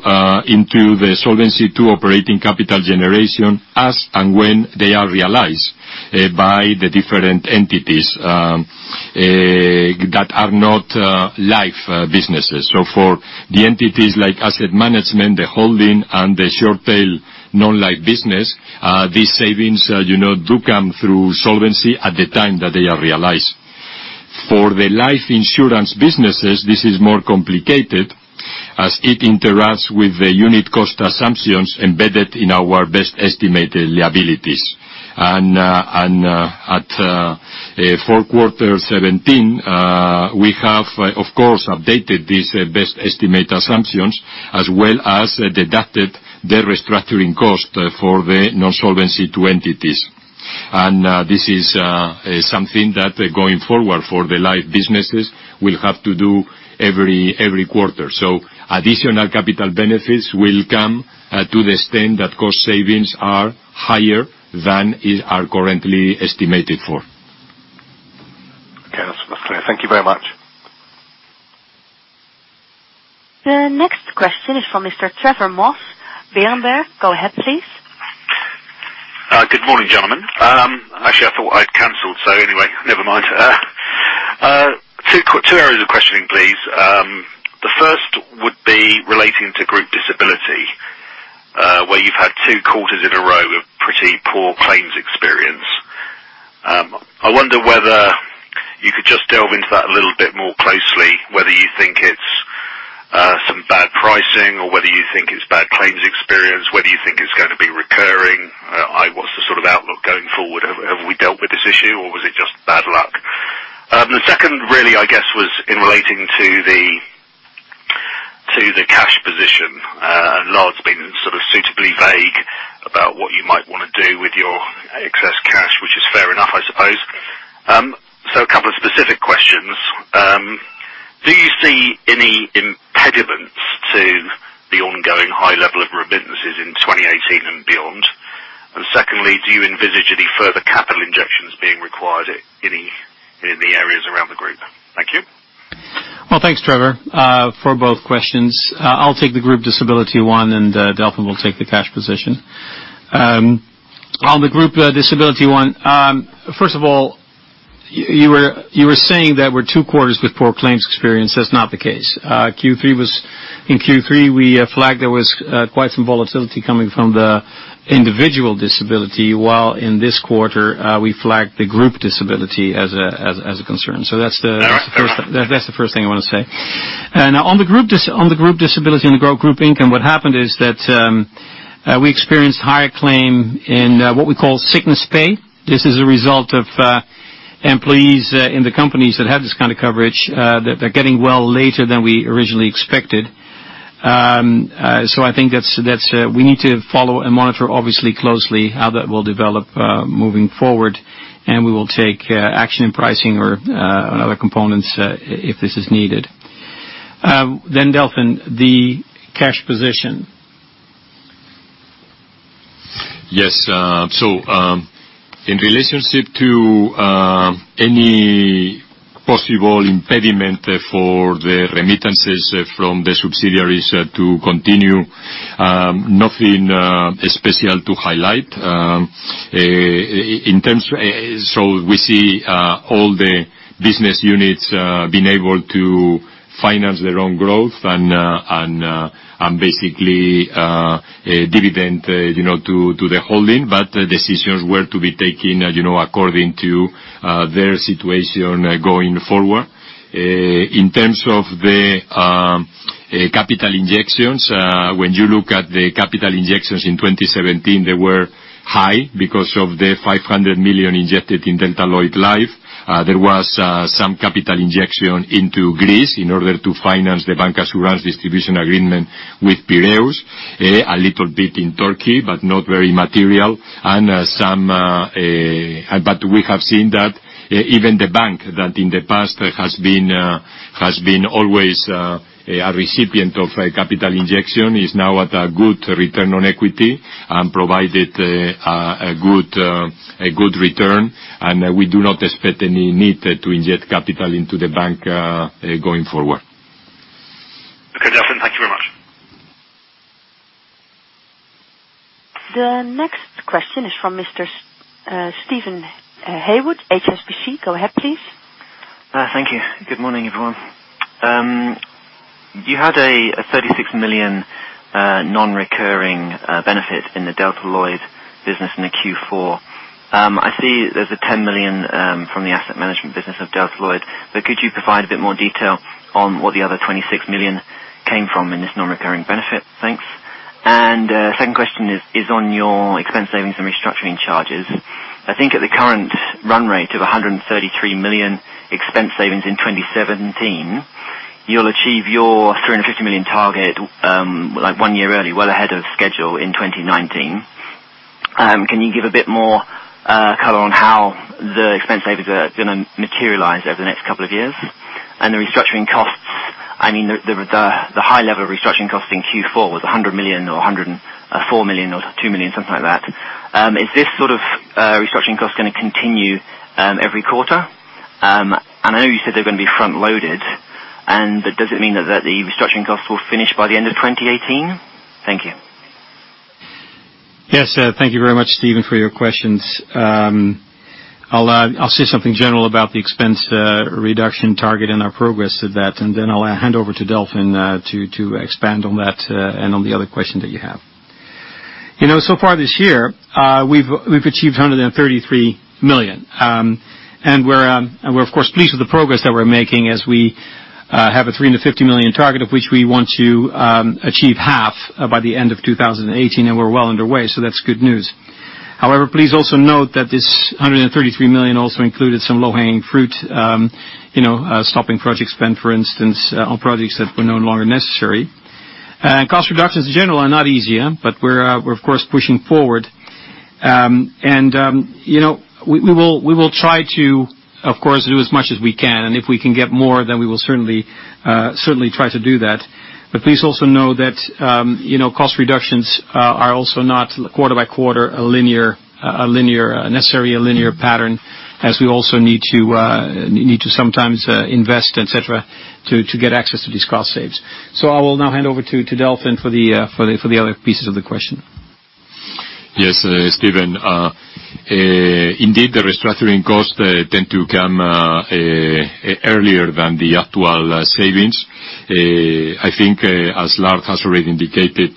into the Solvency II operating capital generation as and when they are realized by the different entities that are not life businesses. For the entities like asset management, the holding, and the short-tail non-life business, these savings do come through solvency at the time that they are realized. For the life insurance businesses, this is more complicated as it interacts with the unit cost assumptions embedded in our best estimated liabilities. At fourth quarter 2017, we have, of course, updated these best estimate assumptions, as well as deducted the restructuring cost for the non-Solvency II entities. This is something that, going forward for the life businesses, we'll have to do every quarter. Additional capital benefits will come to the extent that cost savings are higher than is are currently estimated for. Okay. That's clear. Thank you very much. The next question is from Mr. Trevor Moss, Berenberg. Go ahead, please. Good morning, gentlemen. Actually, I thought I'd canceled. Anyway, never mind. Two areas of questioning, please. The first would be relating to group disability, where you've had 2 quarters in a row of pretty poor claims experience. I wonder whether you could just delve into that a little bit more closely, whether you think it's some bad pricing or whether you think it's bad claims experience. Whether you think it's going to be recurring. What's the sort of outlook going forward? Have we dealt with this issue, or was it just bad luck? The second really, I guess, was in relating to the You might want to do with your excess cash, which is fair enough, I suppose. A couple of specific questions. Do you see any impediments to the ongoing high level of remittances in 2018 and beyond? Secondly, do you envisage any further capital injections being required in the areas around the group? Thank you. Well thanks, Trevor, for both questions. I'll take the group disability one, Delfin will take the cash position. On the group disability one. First of all, you were saying that we're 2 quarters with poor claims experience. That's not the case. In Q3, we flagged there was quite some volatility coming from the individual disability, while in this quarter, we flagged the group disability as a concern. That's the first thing I want to say. Now, on the group disability and the group income, what happened is that we experienced higher claim in what we call sickness pay. This is a result of employees in the companies that have this kind of coverage that they're getting well later than we originally expected. I think we need to follow and monitor obviously closely how that will develop moving forward. We will take action in pricing or other components, if this is needed. Delfin, the cash position. Yes. In relationship to any possible impediment for the remittances from the subsidiaries to continue, nothing special to highlight. We see all the business units being able to finance their own growth and basically dividend to the holding. Decisions were to be taken according to their situation going forward. In terms of the capital injections, when you look at the capital injections in 2017, they were high because of the 500 million injected in Delta Lloyd Life. There was some capital injection into Greece in order to finance the bancassurance distribution agreement with Piraeus, a little bit in Turkey, but not very material. We have seen that even the bank, that in the past has been always a recipient of a capital injection, is now at a good return on equity and provided a good return. We do not expect any need to inject capital into the bank going forward. Okay. Delfin, thank you very much. The next question is from Mr. Steven Haywood, HSBC. Go ahead, please. Thank you. Good morning, everyone. You had a 36 million non-recurring benefit in the Delta Lloyd business in the Q4. I see there's a 10 million from the asset management business of Delta Lloyd, could you provide a bit more detail on what the other 26 million came from in this non-recurring benefit? Thanks. Second question is on your expense savings and restructuring charges. I think at the current run rate of 133 million expense savings in 2017, you'll achieve your 350 million target one year early, well ahead of schedule, in 2019. Can you give a bit more color on how the expense savings are going to materialize over the next couple of years? The restructuring costs, I mean, the high level of restructuring cost in Q4 was 100 million or 104 million or 102 million, something like that. Is this sort of restructuring cost going to continue every quarter? I know you said they're going to be front-loaded, does it mean that the restructuring costs will finish by the end of 2018? Thank you. Yes. Thank you very much, Steven, for your questions. I'll say something general about the expense reduction target and our progress to that, then I'll hand over to Delfin to expand on that and on the other question that you have. Far this year, we've achieved 133 million. We're of course, pleased with the progress that we're making as we have a 350 million target of which we want to achieve half by the end of 2018, we're well underway, that's good news. However, please also note that this 133 million also included some low-hanging fruit, stopping project spend, for instance, on projects that were no longer necessary. Cost reductions in general are not easy, we're of course pushing forward. We will try to, of course, do as much as we can. If we can get more, we will certainly try to do that. Please also know that cost reductions are also not quarter by quarter necessary a linear pattern, as we also need to sometimes invest, et cetera, to get access to these cost saves. I will now hand over to Delfin for the other pieces of the question. Yes, Steven. Indeed, the restructuring costs tend to come earlier than the actual savings. I think as Lard has already indicated,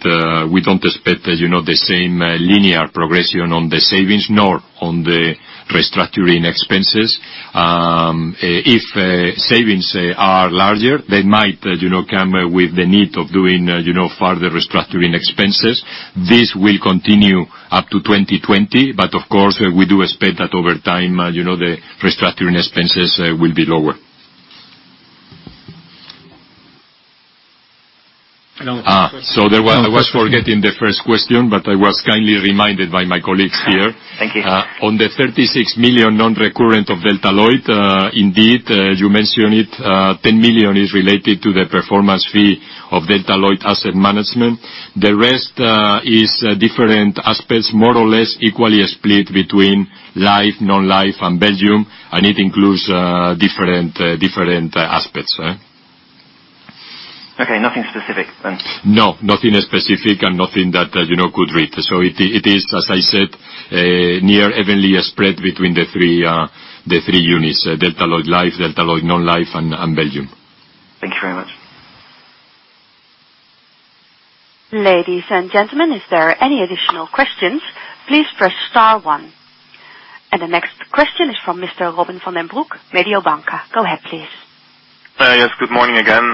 we don't expect the same linear progression on the savings nor on the restructuring expenses. If savings are larger, they might come with the need of doing further restructuring expenses. This will continue up to 2020. Of course, we do expect that over time, the restructuring expenses will be lower. I was forgetting the first question, but I was kindly reminded by my colleagues here. Thank you. On the 36 million non-recurrent of Delta Lloyd, indeed, as you mentioned it, 10 million is related to the performance fee of Delta Lloyd Asset Management. The rest is different aspects, more or less equally split between life, non-life, and Belgium, and it includes different aspects. Okay. Nothing specific then. No. Nothing specific and nothing that you could read. It is, as I said, near evenly spread between the three units, Delta Lloyd Life, Delta Lloyd Non-Life, and Belgium. Thank you very much. Ladies and gentlemen, is there any additional questions? Please press star one. The next question is from Mr. Robin van den Broek, Mediobanca. Go ahead, please. Yes. Good morning again.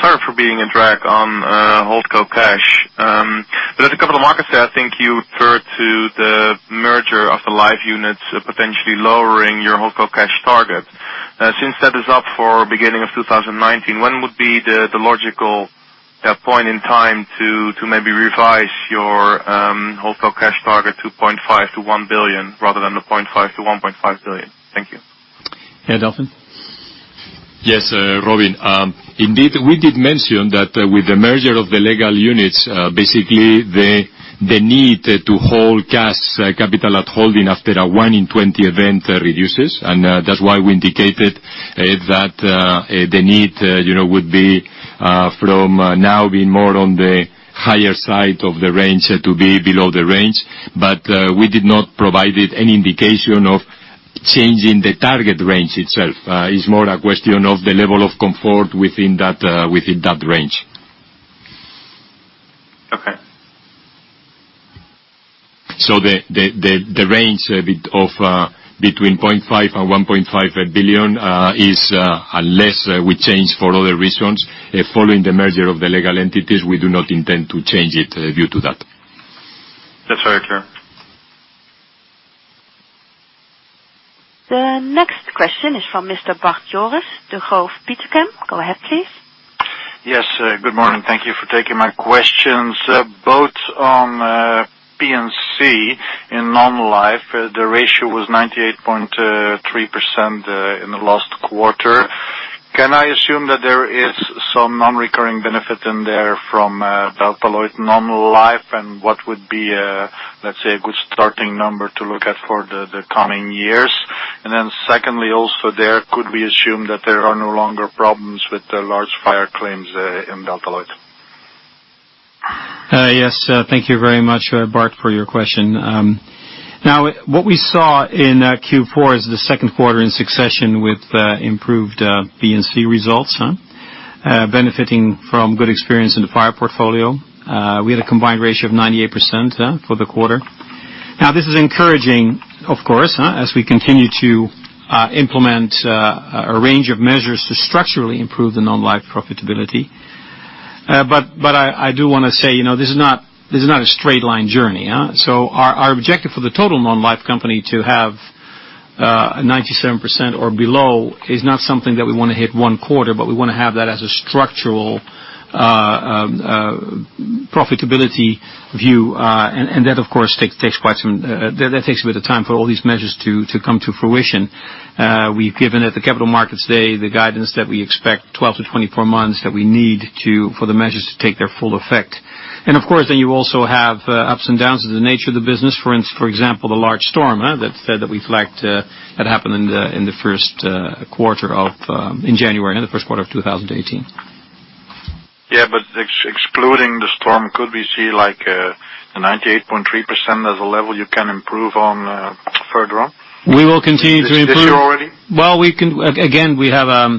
Sorry for being a drag on Holdco cash. At the Capital Markets Day, I think you referred to the merger of the life units potentially lowering your Holdco cash target. Since that is up for beginning of 2019, when would be the logical point in time to maybe revise your Holdco cash target to 0.5 billion-1 billion, rather than the 0.5 billion-1.5 billion? Thank you. Yeah, Delfin? Yes, Robin. Indeed, we did mention that with the merger of the legal units, basically the need to hold cash, capital at holding after a one in 20 event reduces. That's why we indicated that the need would be from now being more on the higher side of the range to be below the range. We did not provide any indication of changing the target range itself. It's more a question of the level of comfort within that range. Okay. The range between 0.5 billion and 1.5 billion is, unless we change for other reasons, following the merger of the legal entities, we do not intend to change it due to that. That's very clear. The next question is from Mr. Bart Jooris, Degroof Petercam. Go ahead, please. Yes. Good morning. Thank you for taking my questions. Both on P&C in non-life, the ratio was 98.3% in the last quarter. Can I assume that there is some non-recurring benefit in there from Delta Lloyd Non-Life? What would be, let's say, a good starting number to look at for the coming years? Secondly, also there, could we assume that there are no longer problems with the large fire claims in Delta Lloyd? Yes. Thank you very much, Bart, for your question. What we saw in Q4 is the second quarter in succession with improved P&C results. Benefiting from good experience in the fire portfolio. We had a combined ratio of 98% for the quarter. This is encouraging, of course, as we continue to implement a range of measures to structurally improve the non-life profitability. I do want to say, this is not a straight line journey. Our objective for the total non-life company to have 97% or below is not something that we want to hit one quarter, but we want to have that as a structural profitability view. That, of course, takes a bit of time for all these measures to come to fruition. We've given at the Capital Markets Day the guidance that we expect 12-24 months that we need for the measures to take their full effect. Of course, then you also have ups and downs of the nature of the business. For example, the large storm that we flagged that happened in January, in the first quarter of 2018. Yeah, excluding the storm, could we see a 98.3% as a level you can improve on further on? We will continue to improve. This year already? Well, again, we have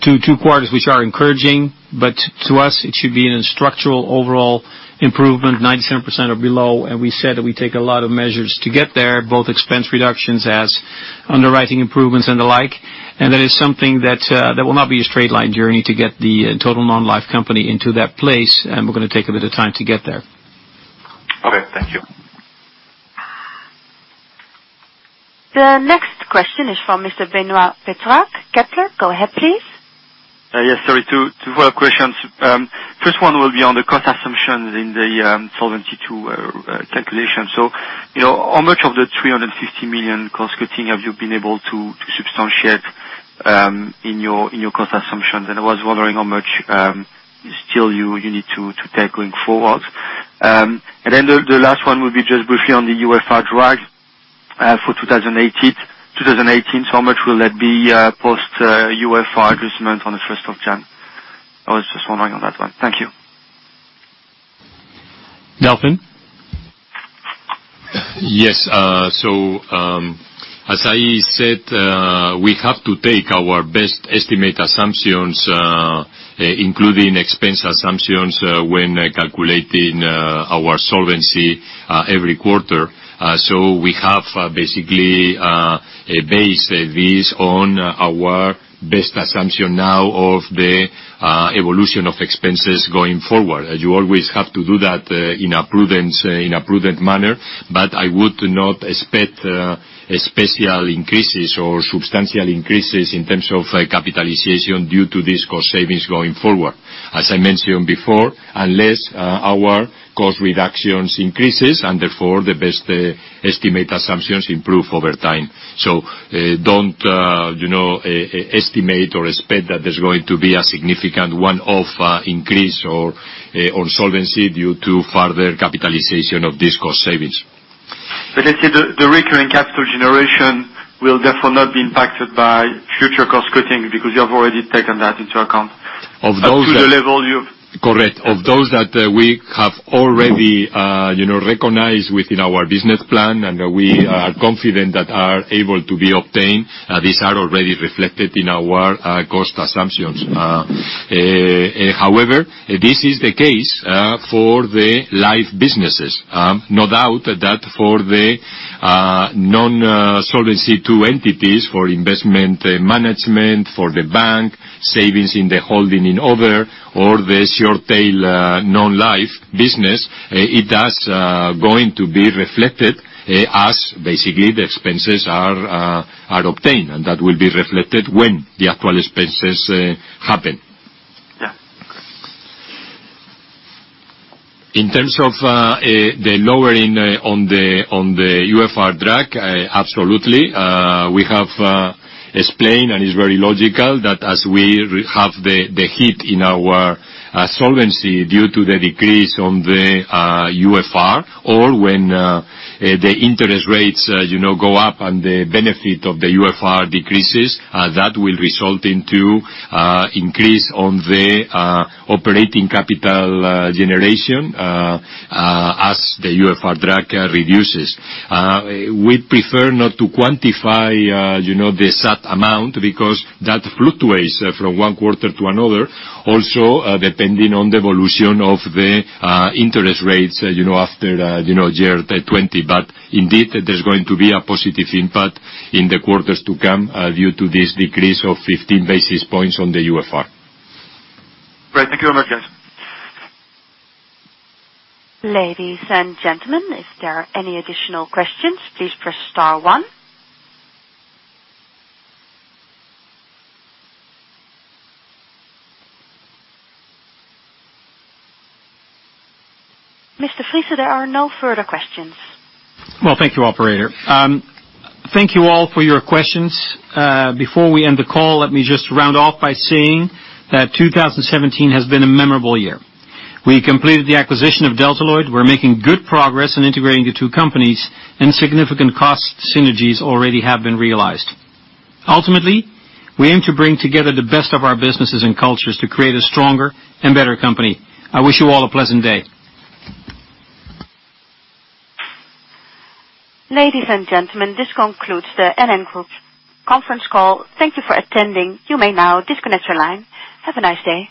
two quarters which are encouraging, but to us it should be in a structural overall improvement, 97% or below. We said that we take a lot of measures to get there, both expense reductions as underwriting improvements and the like. That is something that will not be a straight line journey to get the total non-life company into that place, and we're going to take a bit of time to get there. Okay. Thank you. The next question is from Mr. Benoit Petrarque, Kepler. Go ahead, please. Sorry. Two more questions. First one will be on the cost assumptions in the Solvency II calculation. How much of the 350 million cost cutting have you been able to substantiate in your cost assumptions? I was wondering how much still you need to take going forward. The last one will be just briefly on the UFR drag for 2018. How much will that be post UFR adjustment on the 1st of January? I was just wondering on that one. Thank you. Delfin? As I said We have to take our best estimate assumptions, including expense assumptions, when calculating our Solvency II every quarter. We have basically based this on our best assumption now of the evolution of expenses going forward. You always have to do that in a prudent manner. I would not expect special increases or substantial increases in terms of capitalization due to these cost savings going forward. As I mentioned before, unless our cost reductions increases, and therefore the best estimate assumptions improve over time. Don't estimate or expect that there's going to be a significant one-off increase on Solvency II due to further capitalization of these cost savings. let's say the recurring capital generation will therefore not be impacted by future cost cutting because you have already taken that into account. Of those that- Up to the level you've Correct. Of those that we have already recognized within our business plan, and we are confident that are able to be obtained, these are already reflected in our cost assumptions. However, this is the case for the life businesses. No doubt that for the non-Solvency II entities, for investment management, for NN Bank, savings in the holding in other, or the short tail non-life business, it does going to be reflected as basically the expenses are obtained. That will be reflected when the actual expenses happen. Yeah. Correct. In terms of the lowering on the UFR drag, absolutely. We have explained, and it's very logical, that as we have the hit in our solvency due to the decrease on the UFR, or when the interest rates go up and the benefit of the UFR decreases, that will result into increase on the operating capital generation as the UFR drag reduces. We prefer not to quantify the exact amount because that fluctuates from one quarter to another, also depending on the evolution of the interest rates after year 2020. Indeed, there's going to be a positive impact in the quarters to come due to this decrease of 15 basis points on the UFR. Great. Thank you very much, guys. Ladies and gentlemen, if there are any additional questions, please press star one. Mr. Friese, there are no further questions. Well, thank you, operator. Thank you all for your questions. Before we end the call, let me just round off by saying that 2017 has been a memorable year. We completed the acquisition of Delta Lloyd. We're making good progress in integrating the two companies, and significant cost synergies already have been realized. Ultimately, we aim to bring together the best of our businesses and cultures to create a stronger and better company. I wish you all a pleasant day. Ladies and gentlemen, this concludes the NN Group conference call. Thank you for attending. You may now disconnect your line. Have a nice day.